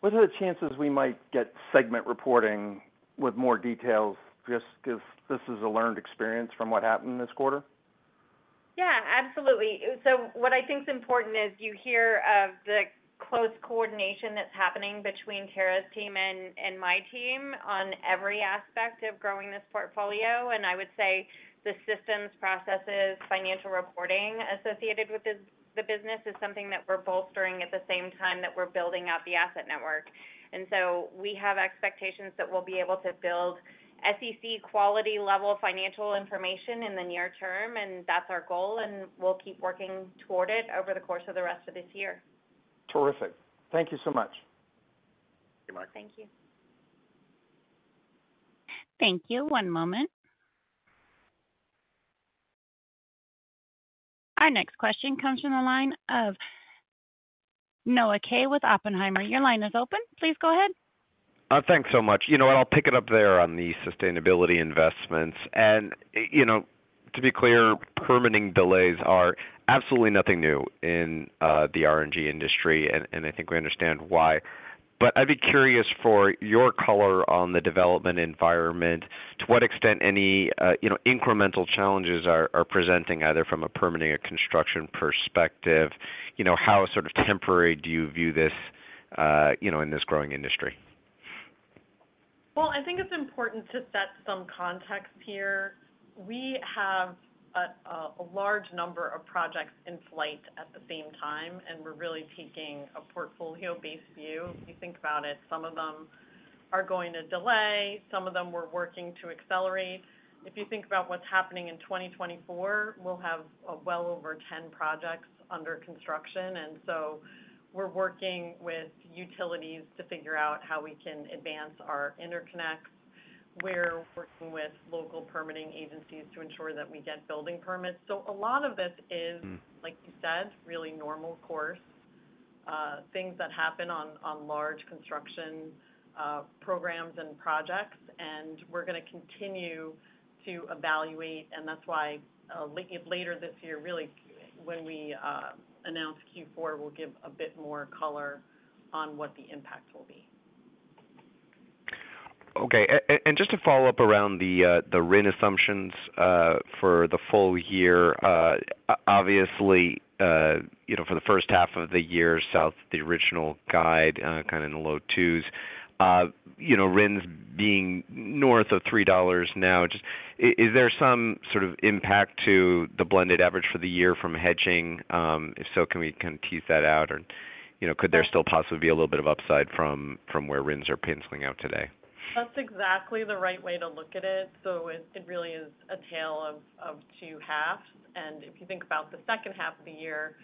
What are the chances we might get segment reporting with more details, just because this is a learned experience from what happened this quarter? Yeah, absolutely. What I think is important is you hear of the close coordination that's happening between Tara's team and my team on every aspect of growing this portfolio. I would say the systems, processes, financial reporting associated with this, the business, is something that we're bolstering at the same time that we're building out the asset network. We have expectations that we'll be able to build SEC quality level financial information in the near term, and that's our goal, and we'll keep working toward it over the course of the rest of this year. Terrific. Thank you so much. Thank you, Mike. Thank you. Thank you. One moment. Our next question comes from the line of Noah Kaye with Oppenheimer. Your line is open. Please go ahead. Thanks so much. You know what? I'll pick it up there on the sustainability investments. You know, to be clear, permitting delays are absolutely nothing new in the RNG industry, and I think we understand why. I'd be curious for your color on the development environment, to what extent any, you know, incremental challenges are presenting, either from a permitting or construction perspective? You know, how sort of temporary do you view this, you know, in this growing industry? Well, I think it's important to set some context here. We have a large number of projects in flight at the same time, and we're really taking a portfolio-based view. If you think about it, some of them are going to delay, some of them we're working to accelerate. If you think about what's happening in 2024, we'll have well over 10 projects under construction, and so we're working with utilities to figure out how we can advance our interconnects. We're working with local permitting agencies to ensure that we get building permits. A lot of this is. Mm. like you said, really normal course, things that happen on large construction programs and projects, and we're going to continue to evaluate, and that's why later this year, really, when we announce Q4, we'll give a bit more color on what the impact will be. Okay. Just to follow up around the RIN assumptions for the full year, obviously, you know, for the first half of the year, south, the original guide, kind of in the low $2s, you know, RINs being north of $3 now, just is there some sort of impact to the blended average for the year from hedging? If so, can we kind of tease that out? Or, you know, could there still possibly be a little bit of upside from where RINs are penciling out today? That's exactly the right way to look at it. It really is a tale of two halves. If you think about the second half of the year,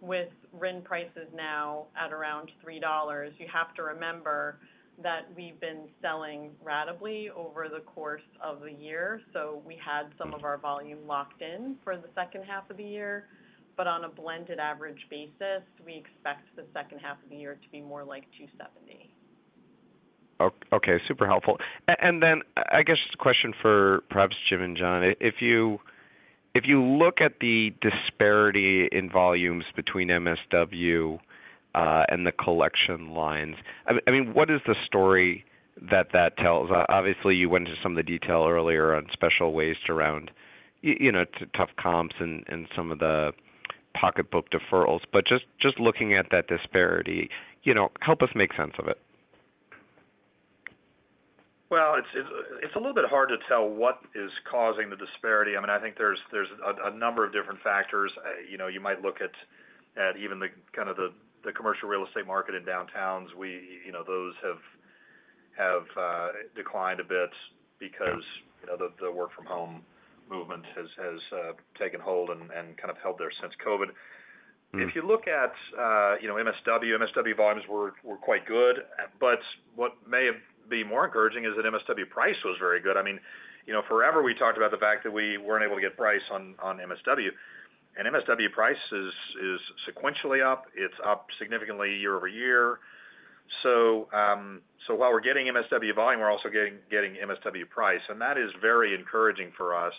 with RIN prices now at around $3, you have to remember that we've been selling ratably over the course of the year. We had some of our volume locked in for the second half of the year, but on a blended average basis, we expect the second half of the year to be more like $2.70. Okay, super helpful. I guess just a question for perhaps Jim and John. If you look at the disparity in volumes between MSW and the collection lines, I mean, what is the story that tells? Obviously, you went into some of the detail earlier on special waste around, you know, tough comps and some of the pocketbook deferrals. Just looking at that disparity, you know, help us make sense of it. Well, it's a little bit hard to tell what is causing the disparity. I mean, I think there's a number of different factors. You know, you might look at even the kind of the commercial real estate market in downtowns. You know, those have declined a bit because... Yeah... you know, the work from home movement has taken hold and kind of held there since COVID. Mm. If you look at, you know, MSW volumes were quite good, but what may have been more encouraging is that MSW price was very good. I mean, you know, forever, we talked about the fact that we weren't able to get price on MSW, and MSW price is sequentially up. It's up significantly year-over-year. While we're getting MSW volume, we're also getting MSW price, and that is very encouraging for us.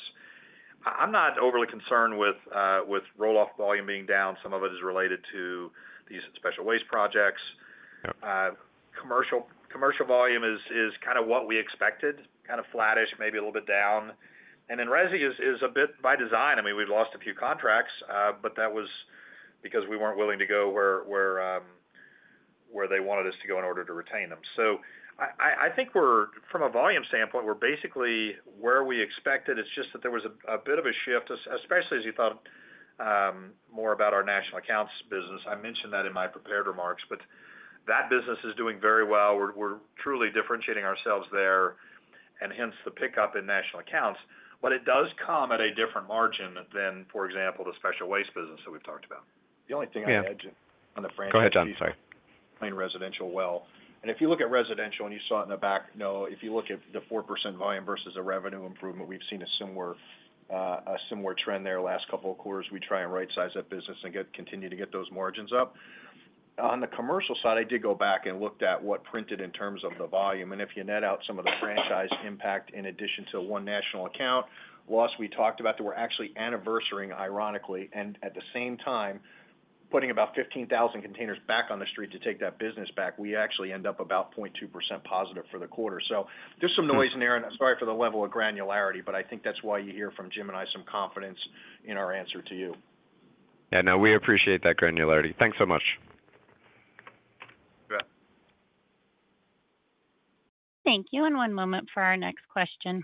I'm not overly concerned with roll-off volume being down. Some of it is related to these special waste projects. Yep. Commercial volume is kind of what we expected, kind of flattish, maybe a little bit down. Resi is a bit by design. I mean, we've lost a few contracts, but that was because we weren't willing to go where they wanted us to go in order to retain them. I think we're, from a volume standpoint, basically where we expected. It's just that there was a bit of a shift, especially as you thought more about our national accounts business. I mentioned that in my prepared remarks, that business is doing very well. We're truly differentiating ourselves there, hence the pickup in national accounts. It does come at a different margin than, for example, the special waste business that we've talked about. The only thing I'd add- Go ahead, John. Sorry. On the franchise, playing residential well. If you look at residential, and you saw it in the back, Noah, if you look at the 4% volume versus a revenue improvement, we've seen a similar, a similar trend there last couple of quarters. We try and rightsize that business and continue to get those margins up. ...On the commercial side, I did go back and looked at what printed in terms of the volume, and if you net out some of the franchise impact in addition to one national account loss we talked about, that we're actually anniversarying ironically, and at the same time, putting about 15,000 containers back on the street to take that business back, we actually end up about 0.2% positive for the quarter. There's some noise in there, and sorry for the level of granularity, but I think that's why you hear from Jim and I some confidence in our answer to you. No, we appreciate that granularity. Thanks so much. You bet. Thank you. One moment for our next question.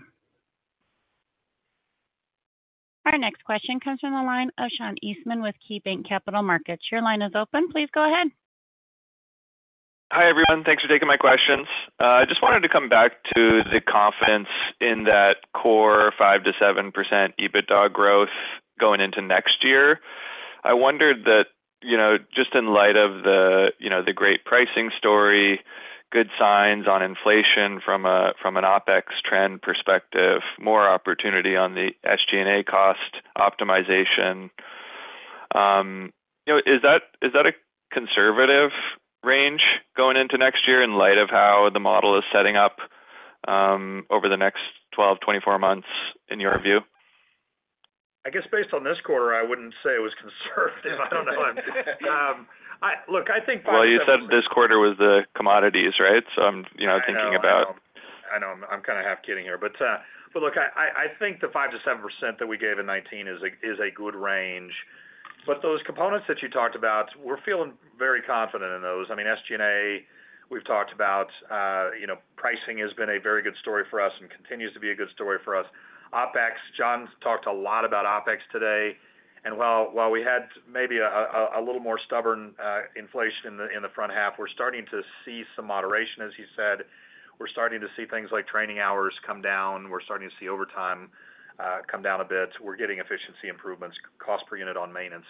Our next question comes from the line of Sean Eastman with KeyBanc Capital Markets. Your line is open. Please go ahead. Hi, everyone. Thanks for taking my questions. I just wanted to come back to the confidence in that core 5%-7% EBITDA growth going into next year. I wondered that, you know, just in light of the, you know, the great pricing story, good signs on inflation from an OpEx trend perspective, more opportunity on the SG&A cost optimization, you know, is that a conservative range going into next year in light of how the model is setting up over the next 12-24 months, in your view? I guess based on this quarter, I wouldn't say it was conservative. I don't know. look, I think. You said this quarter was the commodities, right? I'm, you know. I know. I'm kind of half kidding here, but look, I think the 5%-7% that we gave in 2019 is a good range. Those components that you talked about, we're feeling very confident in those. I mean, SG&A, we've talked about, you know, pricing has been a very good story for us and continues to be a good story for us. OpEx, John talked a lot about OpEx today, while we had maybe a little more stubborn inflation in the front half, we're starting to see some moderation, as you said. We're starting to see things like training hours come down. We're starting to see overtime come down a bit. We're getting efficiency improvements, cost per unit on maintenance,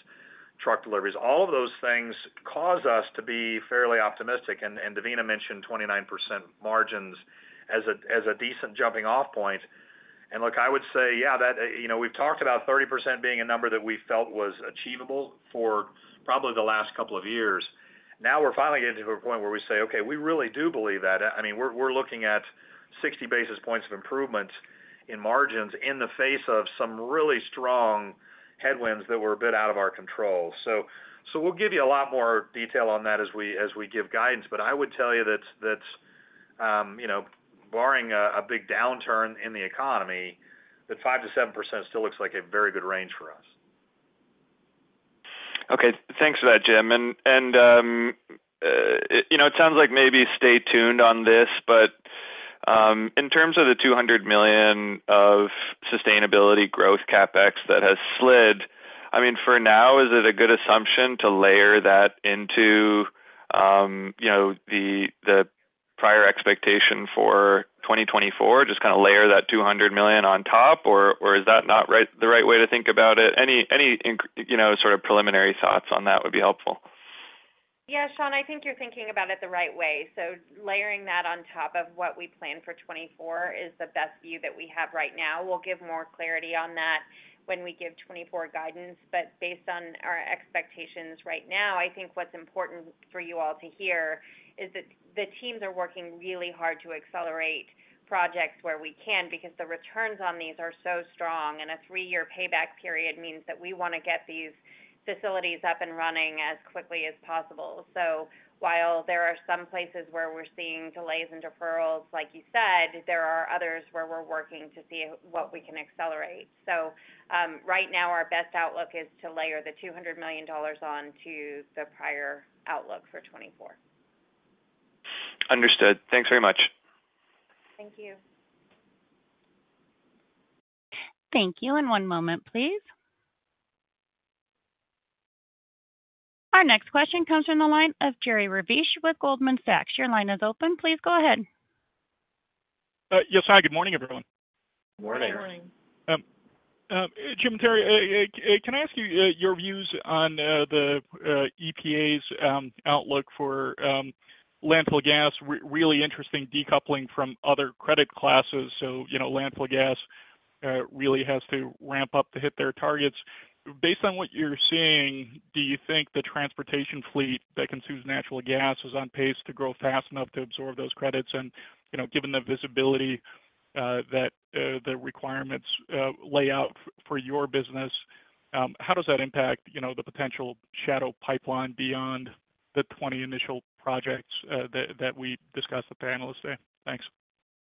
truck deliveries. All of those things cause us to be fairly optimistic, and Devina mentioned 29% margins as a decent jumping off point. Look, I would say, yeah, that, you know, we've talked about 30% being a number that we felt was achievable for probably the last couple of years. Now we're finally getting to a point where we say, okay, we really do believe that. I mean, we're looking at 60 basis points of improvement in margins in the face of some really strong headwinds that were a bit out of our control. We'll give you a lot more detail on that as we, as we give guidance, I would tell you that, you know, barring a big downturn in the economy, that 5%-7% still looks like a very good range for us. Okay, thanks for that, Jim. You know, it sounds like maybe stay tuned on this, but in terms of the $200 million of sustainability growth CapEx that has slid, I mean, for now, is it a good assumption to layer that into, you know, the prior expectation for 2024, just kind of layer that $200 million on top, or is that not the right way to think about it? Any, you know, sort of preliminary thoughts on that would be helpful? Yeah, Sean, I think you're thinking about it the right way. Layering that on top of what we plan for 2024 is the best view that we have right now. We'll give more clarity on that when we give 2024 guidance. Based on our expectations right now, I think what's important for you all to hear is that the teams are working really hard to accelerate projects where we can, because the returns on these are so strong, and a 3-year payback period means that we want to get these facilities up and running as quickly as possible. While there are some places where we're seeing delays and deferrals, like you said, there are others where we're working to see what we can accelerate. Right now, our best outlook is to layer the $200 million on to the prior outlook for 2024. Understood. Thanks very much. Thank you. Thank you. One moment, please. Our next question comes from the line of Jerry Revich with Goldman Sachs. Your line is open. Please go ahead. Yes, hi, good morning, everyone. Good morning. Good morning. Jim and Tara, can I ask you your views on the EPA's outlook for landfill gas? Really interesting decoupling from other credit classes. You know, landfill gas really has to ramp up to hit their targets. Based on what you're seeing, do you think the transportation fleet that consumes natural gas is on pace to grow fast enough to absorb those credits? You know, given the visibility that the requirements lay out for your business, how does that impact, you know, the potential shadow pipeline beyond the 20 initial projects that we discussed with the panelists today? Thanks.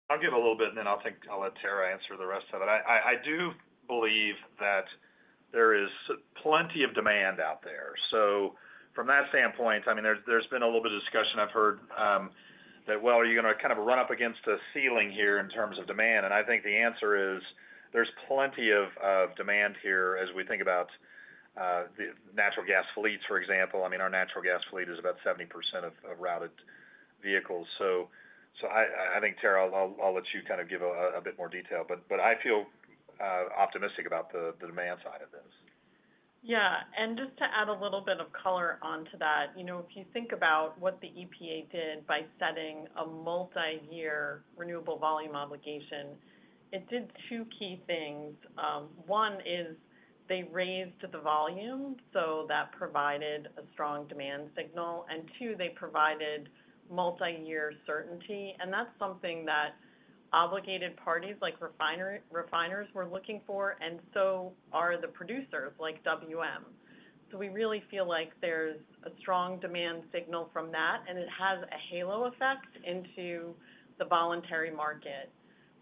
I'll give a little bit, and then I'll think I'll let Tara answer the rest of it. I do believe that there is plenty of demand out there. From that standpoint, I mean, there's been a little bit of discussion. I've heard that, well, are you going to kind of run up against a ceiling here in terms of demand? I think the answer is: there's plenty of demand here as we think about the natural gas fleets, for example. I mean, our natural gas fleet is about 70% of routed vehicles. I think, Tara, I'll let you kind of give a bit more detail, but I feel optimistic about the demand side of this. Yeah, just to add a little bit of color onto that, you know, if you think about what the EPA did by setting a multiyear renewable volume obligation, it did 2 key things. One is they raised the volume, so that provided a strong demand signal, 2, they provided multiyear certainty, That's something that... obligated parties like refiners were looking for, and so are the producers like WM. We really feel like there's a strong demand signal from that, and it has a halo effect into the voluntary market.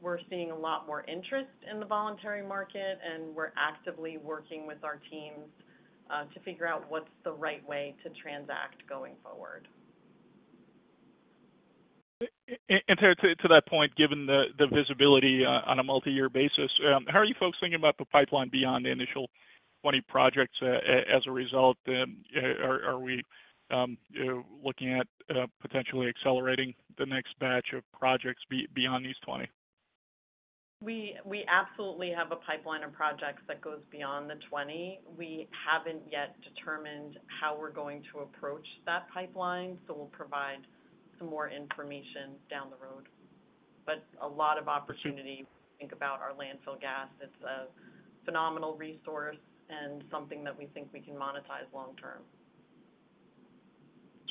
We're seeing a lot more interest in the voluntary market, and we're actively working with our teams, to figure out what's the right way to transact going forward. To that point, given the visibility on a multi-year basis, how are you folks thinking about the pipeline beyond the initial 20 projects as a result? Are we looking at potentially accelerating the next batch of projects beyond these 20? We absolutely have a pipeline of projects that goes beyond the 20. We haven't yet determined how we're going to approach that pipeline. We'll provide some more information down the road. A lot of opportunity to think about our landfill gas. It's a phenomenal resource and something that we think we can monetize long term.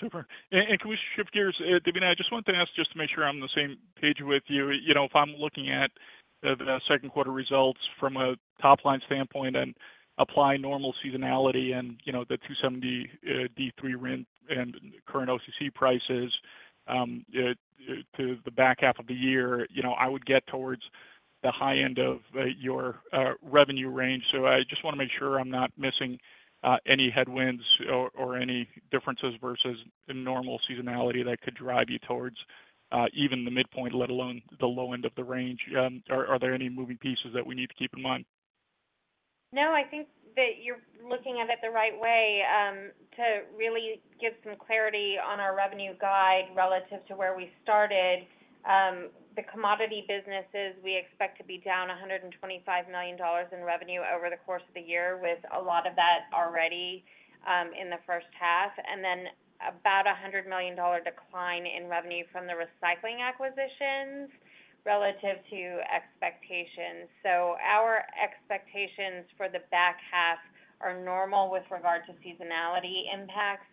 Super. Can we shift gears? Devina, I just wanted to ask, just to make sure I'm on the same page with you. You know, if I'm looking at the second quarter results from a top-line standpoint and apply normal seasonality and, you know, the 270 D3 RIN and current OCC prices to the back half of the year, you know, I would get towards the high end of your revenue range. I just wanna make sure I'm not missing any headwinds or any differences versus the normal seasonality that could drive you towards even the midpoint, let alone the low end of the range. Are there any moving pieces that we need to keep in mind? I think that you're looking at it the right way. To really give some clarity on our revenue guide relative to where we started, the commodity businesses, we expect to be down $125 million in revenue over the course of the year, with a lot of that already in the first half, and then about a $100 million decline in revenue from the recycling acquisitions relative to expectations. Our expectations for the back half are normal with regard to seasonality impacts.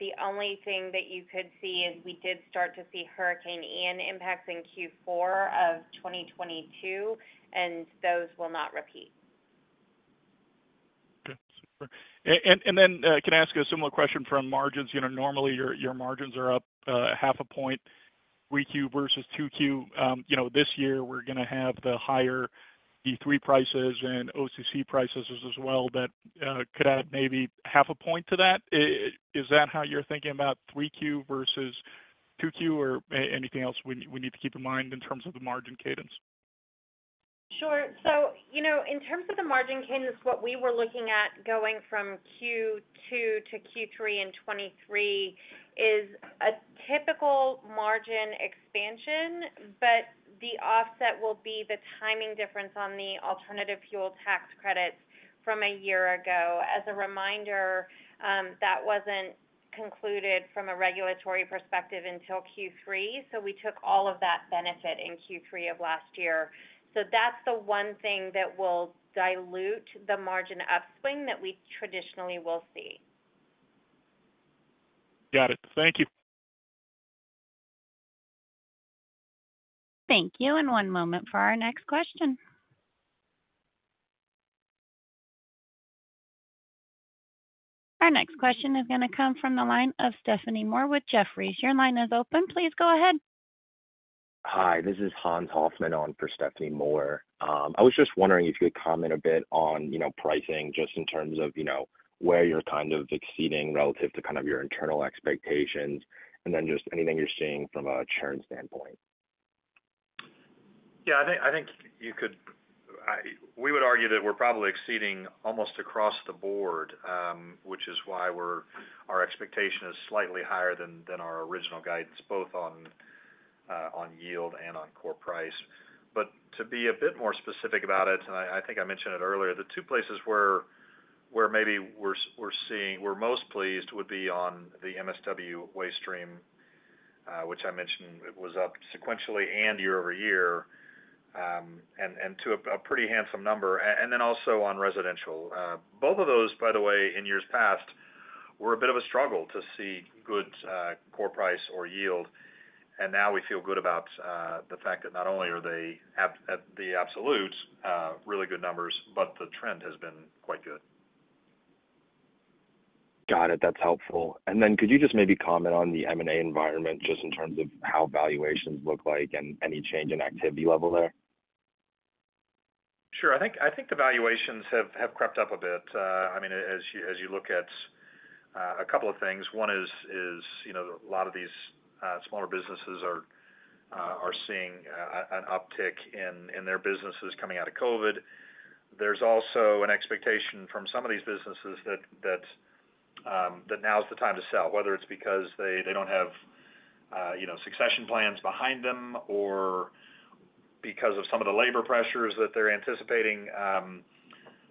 The only thing that you could see is we did start to see Hurricane Ian impacts in Q4 of 2022, and those will not repeat. Okay, super. Then, can I ask you a similar question from margins? You know, normally, your margins are up half a point, 3Q versus 2Q. You know, this year, we're gonna have the higher D3 prices and OCC prices as well. That could add maybe half a point to that. Is that how you're thinking about 3Q versus 2Q, or anything else we need to keep in mind in terms of the margin cadence? Sure. You know, in terms of the margin cadence, what we were looking at going from Q2 to Q3 in 2023 is a typical margin expansion, but the offset will be the timing difference on the alternative fuel tax credits from a year ago. As a reminder, that wasn't concluded from a regulatory perspective until Q3, so we took all of that benefit in Q3 of last year. That's the one thing that will dilute the margin upswing that we traditionally will see. Got it. Thank you. Thank you, one moment for our next question. Our next question is gonna come from the line of Stephanie Moore with Jefferies. Your line is open. Please go ahead. Hi, this is Hans Hoffman on for Stephanie Moore. I was just wondering if you could comment a bit on, you know, pricing, just in terms of, you know, where you're kind of exceeding relative to kind of your internal expectations, and then just anything you're seeing from a churn standpoint? Yeah, I think you could we would argue that we're probably exceeding almost across the board, which is why our expectation is slightly higher than our original guidance, both on yield and on core price. To be a bit more specific about it, and I think I mentioned it earlier, the two places where maybe we're most pleased would be on the MSW waste stream, which I mentioned was up sequentially and year-over-year, and to a pretty handsome number, and then also on residential. Both of those, by the way, in years past, were a bit of a struggle to see good, core price or yield, and now we feel good about the fact that not only are they at the absolutes, really good numbers, but the trend has been quite good. Got it. That's helpful. Then could you just maybe comment on the M&A environment, just in terms of how valuations look like and any change in activity level there? Sure. I think the valuations have crept up a bit. I mean, as you look at a couple of things, one is, you know, a lot of these smaller businesses are seeing an uptick in their businesses coming out of COVID. There's also an expectation from some of these businesses that now is the time to sell, whether it's because they don't have, you know, succession plans behind them or because of some of the labor pressures that they're anticipating.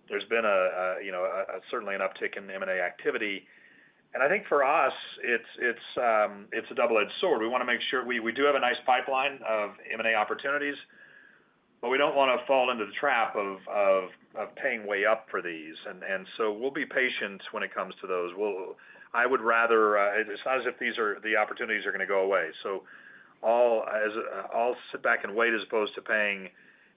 There's been a, you know, certainly an uptick in M&A activity. I think for us, it's a double-edged sword. We wanna make sure we do have a nice pipeline of M&A opportunities.... We don't want to fall into the trap of paying way up for these. We'll be patient when it comes to those. I would rather it's not as if the opportunities are going to go away. I'll sit back and wait, as opposed to paying,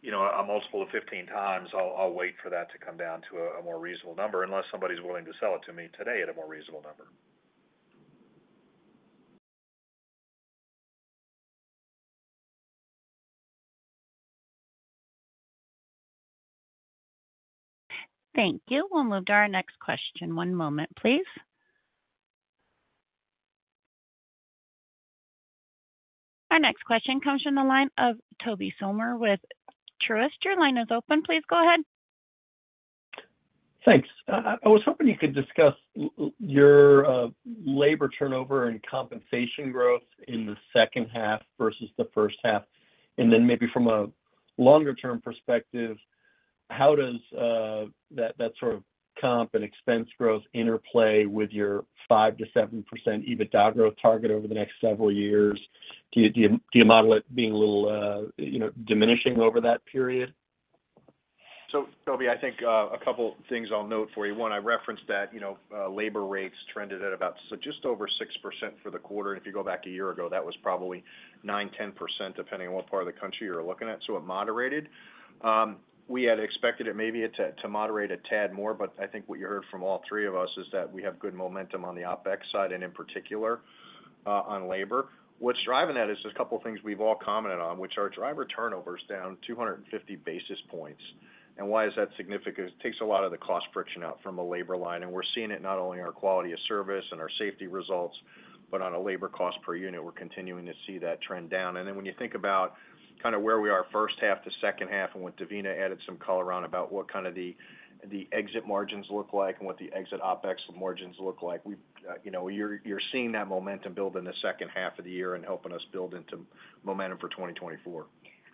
you know, a multiple of 15x. I'll wait for that to come down to a more reasonable number, unless somebody's willing to sell it to me today at a more reasonable number. Thank you. We'll move to our next question. One moment, please. Our next question comes from the line of Tobey Sommer with Truist. Your line is open. Please go ahead. Thanks. I was hoping you could discuss your labor turnover and compensation growth in the second half versus the first half, and then maybe from a longer-term perspective, how does that sort of comp and expense growth interplay with your 5%-7% EBITDA growth target over the next several years? Do you model it being a little, you know, diminishing over that period? Toby, I think a couple things I'll note for you. One, I referenced that, you know, labor rates trended at just over 6% for the quarter, and if you go back a year ago, that was probably 9%, 10%, depending on what part of the country you're looking at. It moderated. We had expected it to moderate a tad more, but I think what you heard from all three of us is that we have good momentum on the OpEx side, and in particular, on labor. What's driving that is just a couple of things we've all commented on, which our driver turnover is down 250 basis points. Why is that significant? It takes a lot of the cost friction out from a labor line, and we're seeing it not only in our quality of service and our safety results, but on a labor cost per unit, we're continuing to see that trend down. When you think about kind of where we are first half to second half, and what Devina added some color around about what kind of the exit margins look like and what the exit OpEx margins look like, we, you know, you're seeing that momentum build in the second half of the year and helping us build into momentum for 2024.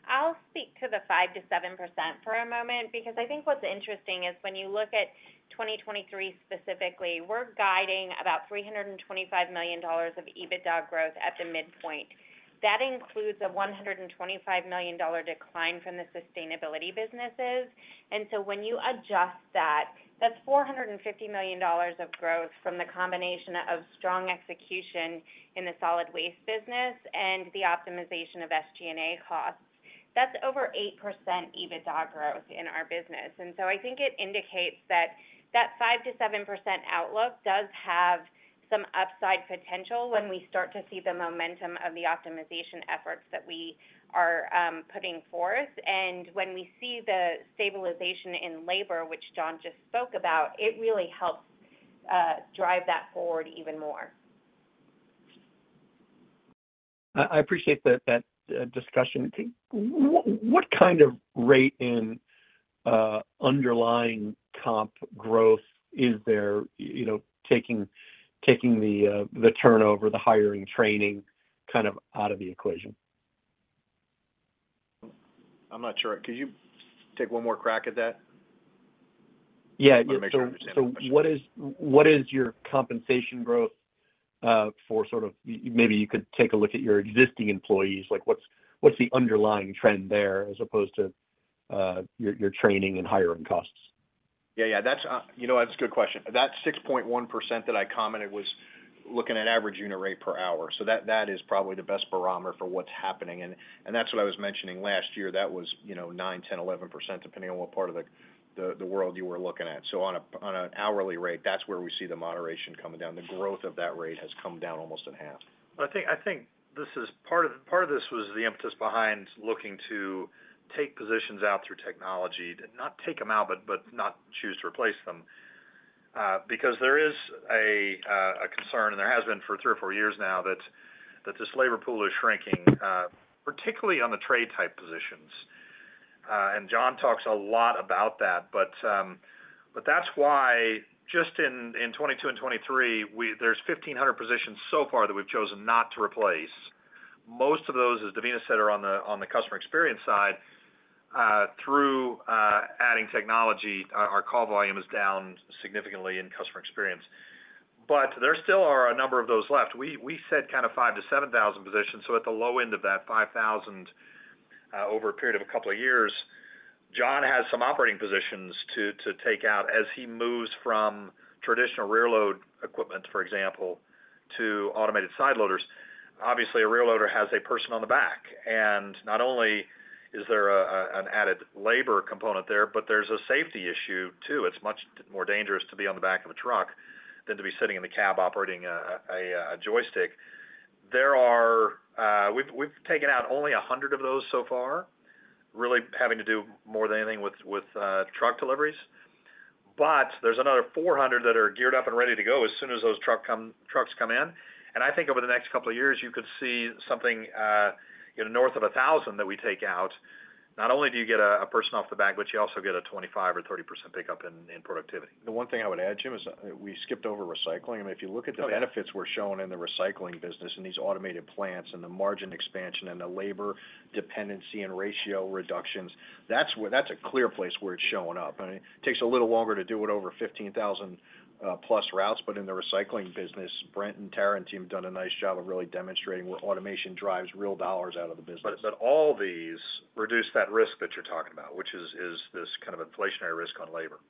I'll speak to the 5%-7% for a moment, because I think what's interesting is when you look at 2023 specifically, we're guiding about $325 million of EBITDA growth at the midpoint. That includes a $125 million decline from the sustainability businesses. When you adjust that's $450 million of growth from the combination of strong execution in the solid waste business and the optimization of SG&A costs. That's over 8% EBITDA growth in our business. I think it indicates that 5%-7% outlook does have some upside potential when we start to see the momentum of the optimization efforts that we are putting forth. When we see the stabilization in labor, which John just spoke about, it really helps drive that forward even more. I appreciate that discussion. What kind of rate in underlying comp growth is there, you know, taking the turnover, the hiring, training kind of out of the equation? I'm not sure. Could you take one more crack at that? Yeah. I want to make sure I understand the question. What is your compensation growth, Maybe you could take a look at your existing employees, like what's the underlying trend there as opposed to your training and hiring costs? Yeah, that's, you know, that's a good question. That 6.1% that I commented was looking at average unit rate per hour. That is probably the best barometer for what's happening. That's what I was mentioning last year. That was, you know, 9, 10, 11%, depending on what part of the world you were looking at. On an hourly rate, that's where we see the moderation coming down. The growth of that rate has come down almost in half. I think this is. Part of this was the impetus behind looking to take positions out through technology. Not take them out, but not choose to replace them, because there is a concern, and there has been for three or four years now, that this labor pool is shrinking, particularly on the trade-type positions. John talks a lot about that, but that's why just in 2022 and 2023, there's 1,500 positions so far that we've chosen not to replace. Most of those, as Devina said, are on the customer experience side, through adding technology, our call volume is down significantly in customer experience. There still are a number of those left. We said kind of 5,000-7,000 positions, so at the low end of that 5,000, over a period of a couple of years, John has some operating positions to take out as he moves from traditional rear load equipment, for example, to automated side loaders. Obviously, a rear loader has a person on the back, and not only is there an added labor component there, but there's a safety issue, too. It's much more dangerous to be on the back of a truck than to be sitting in the cab operating a joystick. There are, we've taken out only 100 of those so far, really having to do more than anything with truck deliveries. There's another 400 that are geared up and ready to go as soon as those trucks come in. I think over the next couple of years, you could see something, you know, north of 1,000 that we take out. Not only do you get a person off the back, but you also get a 25% or 30% pickup in productivity. The one thing I would add, Jim, is that we skipped over recycling. And if you look at the benefits we're showing in the recycling business and these automated plants and the margin expansion and the labor dependency and ratio reductions, that's a clear place where it's showing up. And it takes a little longer to do it over 15,000 plus routes, but in the recycling business, Brent and Tara team have done a nice job of really demonstrating where automation drives real dollars out of the business. All these reduce that risk that you're talking about, which is this kind of inflationary risk on labor....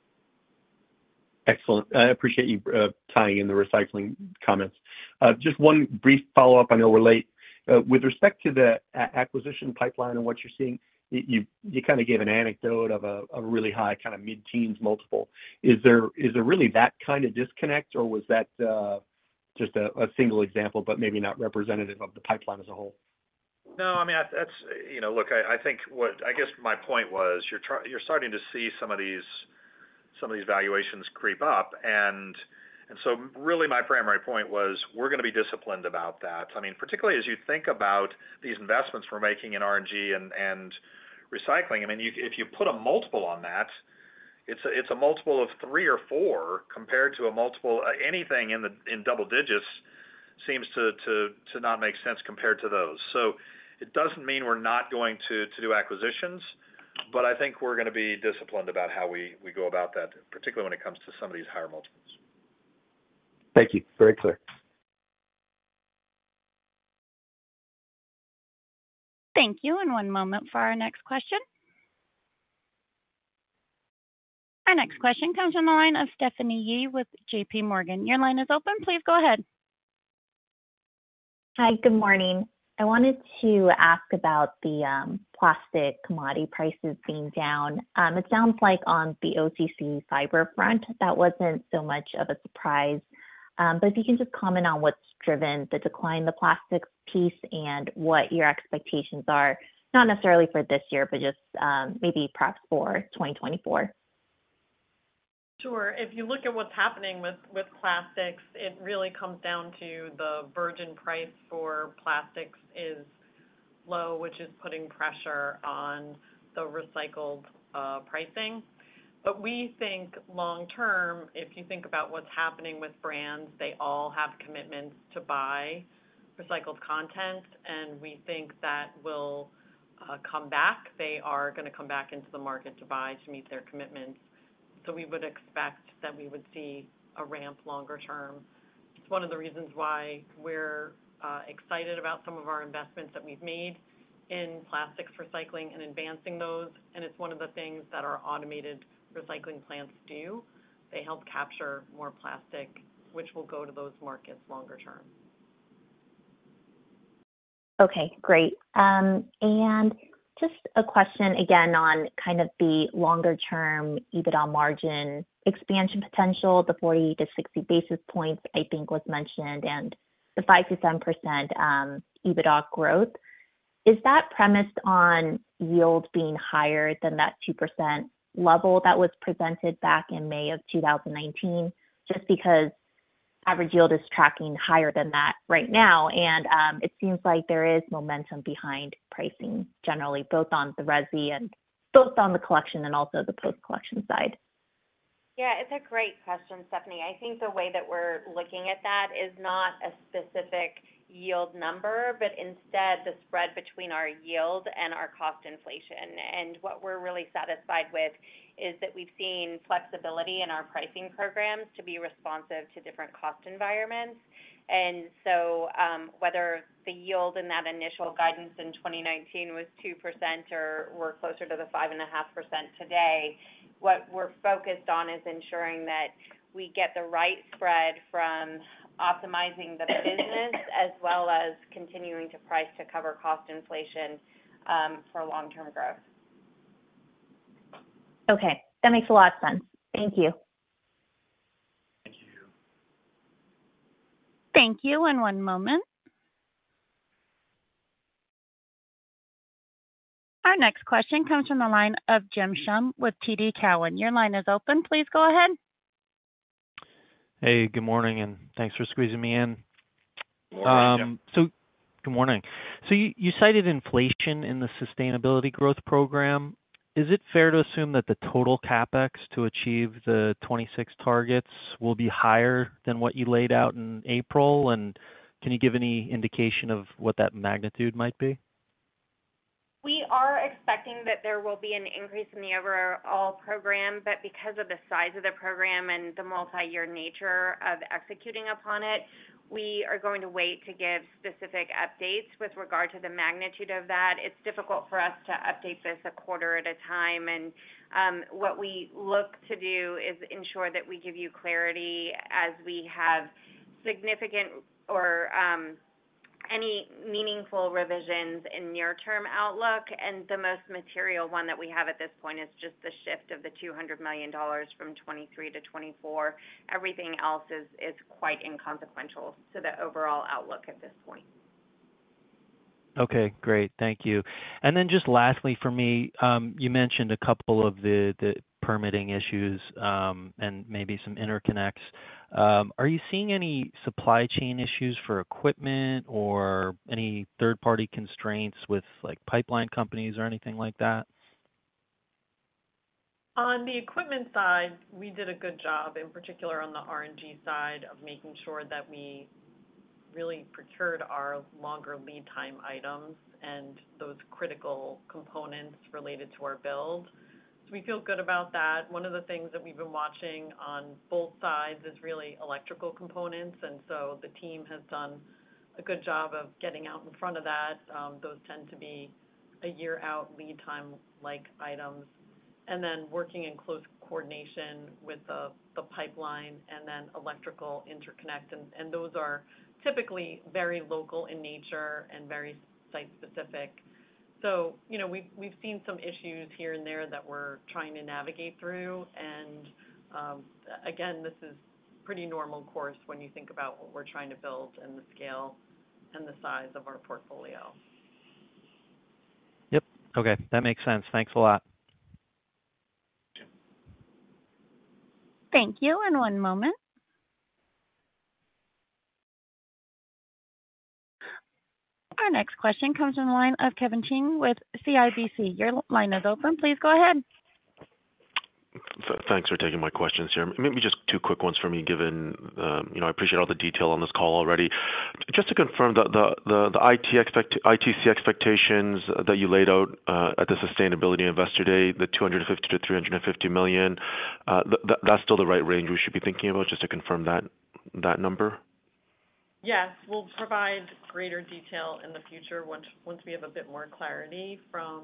Excellent. I appreciate you tying in the recycling comments. Just one brief follow-up, I know we're late. With respect to the acquisition pipeline and what you're seeing, you kind of gave an anecdote of a really high kind of mid-teens multiple. Is there really that kind of disconnect, or was that just a single example, but maybe not representative of the pipeline as a whole? No, I mean, that's, you know, look, I think I guess my point was, you're starting to see some of these valuations creep up. Really my primary point was, we're gonna be disciplined about that. I mean, particularly as you think about these investments we're making in RNG and recycling, I mean, if you put a multiple on that, it's a multiple of 3 or 4 compared to a multiple, anything in double digits seems to not make sense compared to those. It doesn't mean we're not going to do acquisitions, but I think we're gonna be disciplined about how we go about that, particularly when it comes to some of these higher multiples. Thank you. Very clear. Thank you. One moment for our next question. Our next question comes from the line of Stephanie Yee with JP Morgan. Your line is open. Please go ahead. Hi, good morning. I wanted to ask about the plastic commodity prices being down. It sounds like on the OCC fiber front, that wasn't so much of a surprise. But if you can just comment on what's driven the decline in the plastics piece and what your expectations are, not necessarily for this year, but just maybe perhaps for 2024. Sure. If you look at what's happening with plastics, it really comes down to the virgin price for plastics is low, which is putting pressure on the recycled, pricing. We think long term, if you think about what's happening with brands, they all have commitments to buy recycled content, and we think that will come back. They are gonna come back into the market to buy, to meet their commitments. We would expect that we would see a ramp longer term. It's one of the reasons why we're excited about some of our investments that we've made in plastics recycling and advancing those, and it's one of the things that our automated recycling plants do. They help capture more plastic, which will go to those markets longer term. Okay, great. Just a question again on kind of the longer-term EBITDA margin expansion potential, the 40-60 basis points, I think, was mentioned and the 5%-10% EBITDA growth. Is that premised on yield being higher than that 2% level that was presented back in May of 2019? Just because average yield is tracking higher than that right now, and it seems like there is momentum behind pricing generally, both on the resi and both on the collection and also the post-collection side. It's a great question, Stephanie. I think the way that we're looking at that is not a specific yield number, but instead the spread between our yield and our cost inflation. What we're really satisfied with is that we've seen flexibility in our pricing programs to be responsive to different cost environments. Whether the yield in that initial guidance in 2019 was 2% or we're closer to the 5.5% today, what we're focused on is ensuring that we get the right spread from optimizing the business, as well as continuing to price to cover cost inflation for long-term growth. Okay, that makes a lot of sense. Thank you. Thank you. Thank you, and one moment. Our next question comes from the line of Jim Schumm with TD Cowen. Your line is open. Please go ahead. Hey, good morning, and thanks for squeezing me in. Good morning, Jim. Good morning. You cited inflation in the sustainability growth program. Is it fair to assume that the total CapEx to achieve the 26 targets will be higher than what you laid out in April? Can you give any indication of what that magnitude might be? We are expecting that there will be an increase in the overall program, but because of the size of the program and the multiyear nature of executing upon it, we are going to wait to give specific updates with regard to the magnitude of that. It's difficult for us to update this a quarter at a time. What we look to do is ensure that we give you clarity as we have significant or any meaningful revisions in near-term outlook. The most material one that we have at this point is just the shift of the $200 million from 2023 to 2024. Everything else is quite inconsequential to the overall outlook at this point. Okay, great. Thank you. Then just lastly for me, you mentioned a couple of the permitting issues, maybe some interconnects. Are you seeing any supply chain issues for equipment or any third-party constraints with, like, pipeline companies or anything like that? On the equipment side, we did a good job, in particular on the RNG side, of making sure that we really procured our longer lead time items and those critical components related to our build. We feel good about that. One of the things that we've been watching on both sides is really electrical components. The team has done a good job of getting out in front of that. Those tend to be a year-out lead time like items, and then working in close coordination with the pipeline and then electrical interconnect. Those are typically very local in nature and very site-specific. You know, we've seen some issues here and there that we're trying to navigate through. Again, this is pretty normal course when you think about what we're trying to build and the scale and the size of our portfolio. Yep. Okay, that makes sense. Thanks a lot. Thank you. One moment. Our next question comes from the line of Kevin Chiang with CIBC. Your line is open. Please go ahead. Thanks for taking my questions here. Maybe just two quick ones for me, given, you know, I appreciate all the detail on this call already. Just to confirm the ITC expectations that you laid out at the Sustainability Investor Day, the $250 million-$350 million, that's still the right range we should be thinking about, just to confirm that number? Yes. We'll provide greater detail in the future once we have a bit more clarity from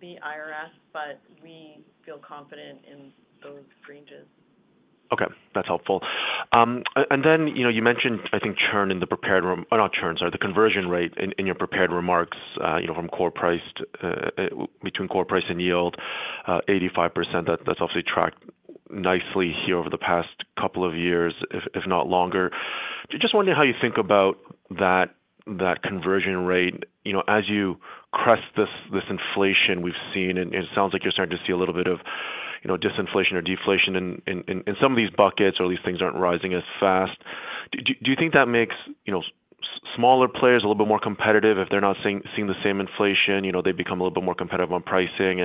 the IRS, but we feel confident in those ranges. Okay, that's helpful. Then, you know, you mentioned, I think, churn in the prepared remarks, not churn, sorry, the conversion rate in your prepared remarks, you know, from core price, between core price and yield, 85%. That's obviously tracked nicely here over the past couple of years, if not longer. Just wondering how you think about that conversion rate, you know, as you crest this inflation we've seen, and it sounds like you're starting to see a little bit of, you know, disinflation or deflation in some of these buckets, or at least things aren't rising as fast. Do you think that makes, you know, smaller players a little bit more competitive if they're not seeing the same inflation, you know, they become a little bit more competitive on pricing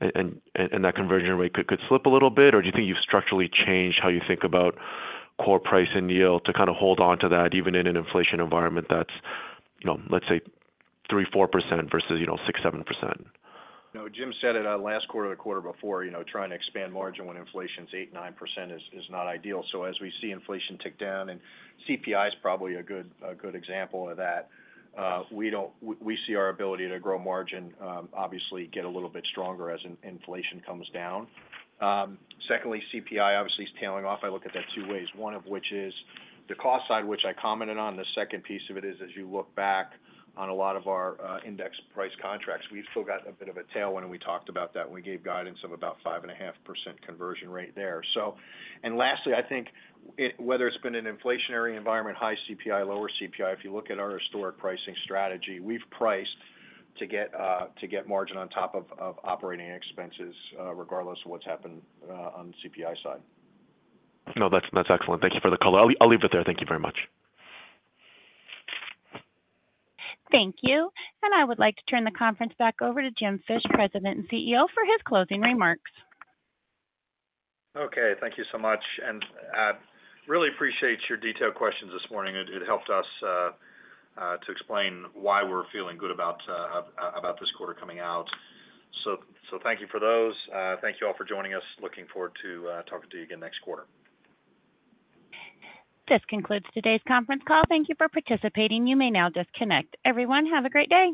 and that conversion rate could slip a little bit? Or do you think you've structurally changed how you think about core price and yield to kind of hold on to that, even in an inflation environment that's, you know, let's say 3%-4% versus, you know, 6%-7%? Jim said it last quarter or the quarter before, you know, trying to expand margin when inflation's 8%, 9% is not ideal. As we see inflation tick down, and CPI is probably a good example of that, we see our ability to grow margin, obviously get a little bit stronger as inflation comes down. CPI obviously is tailing off. I look at that two ways, one of which is the cost side, which I commented on. The second piece of it is, as you look back on a lot of our index price contracts, we've still got a bit of a tailwind, and we talked about that when we gave guidance of about 5.5% conversion rate there. Lastly, I think it, whether it's been an inflationary environment, high CPI, lower CPI, if you look at our historic pricing strategy, we've priced to get to get margin on top of operating expenses, regardless of what's happened on the CPI side. No, that's excellent. Thank you for the color. I'll leave it there. Thank you very much. Thank you. I would like to turn the conference back over to Jim Fish, President and CEO, for his closing remarks. Okay, thank you so much. Really appreciate your detailed questions this morning. It helped us to explain why we're feeling good about this quarter coming out. Thank you for those. Thank you all for joining us. Looking forward to talking to you again next quarter. This concludes today's conference call. Thank you for participating. You may now disconnect. Everyone, have a great day.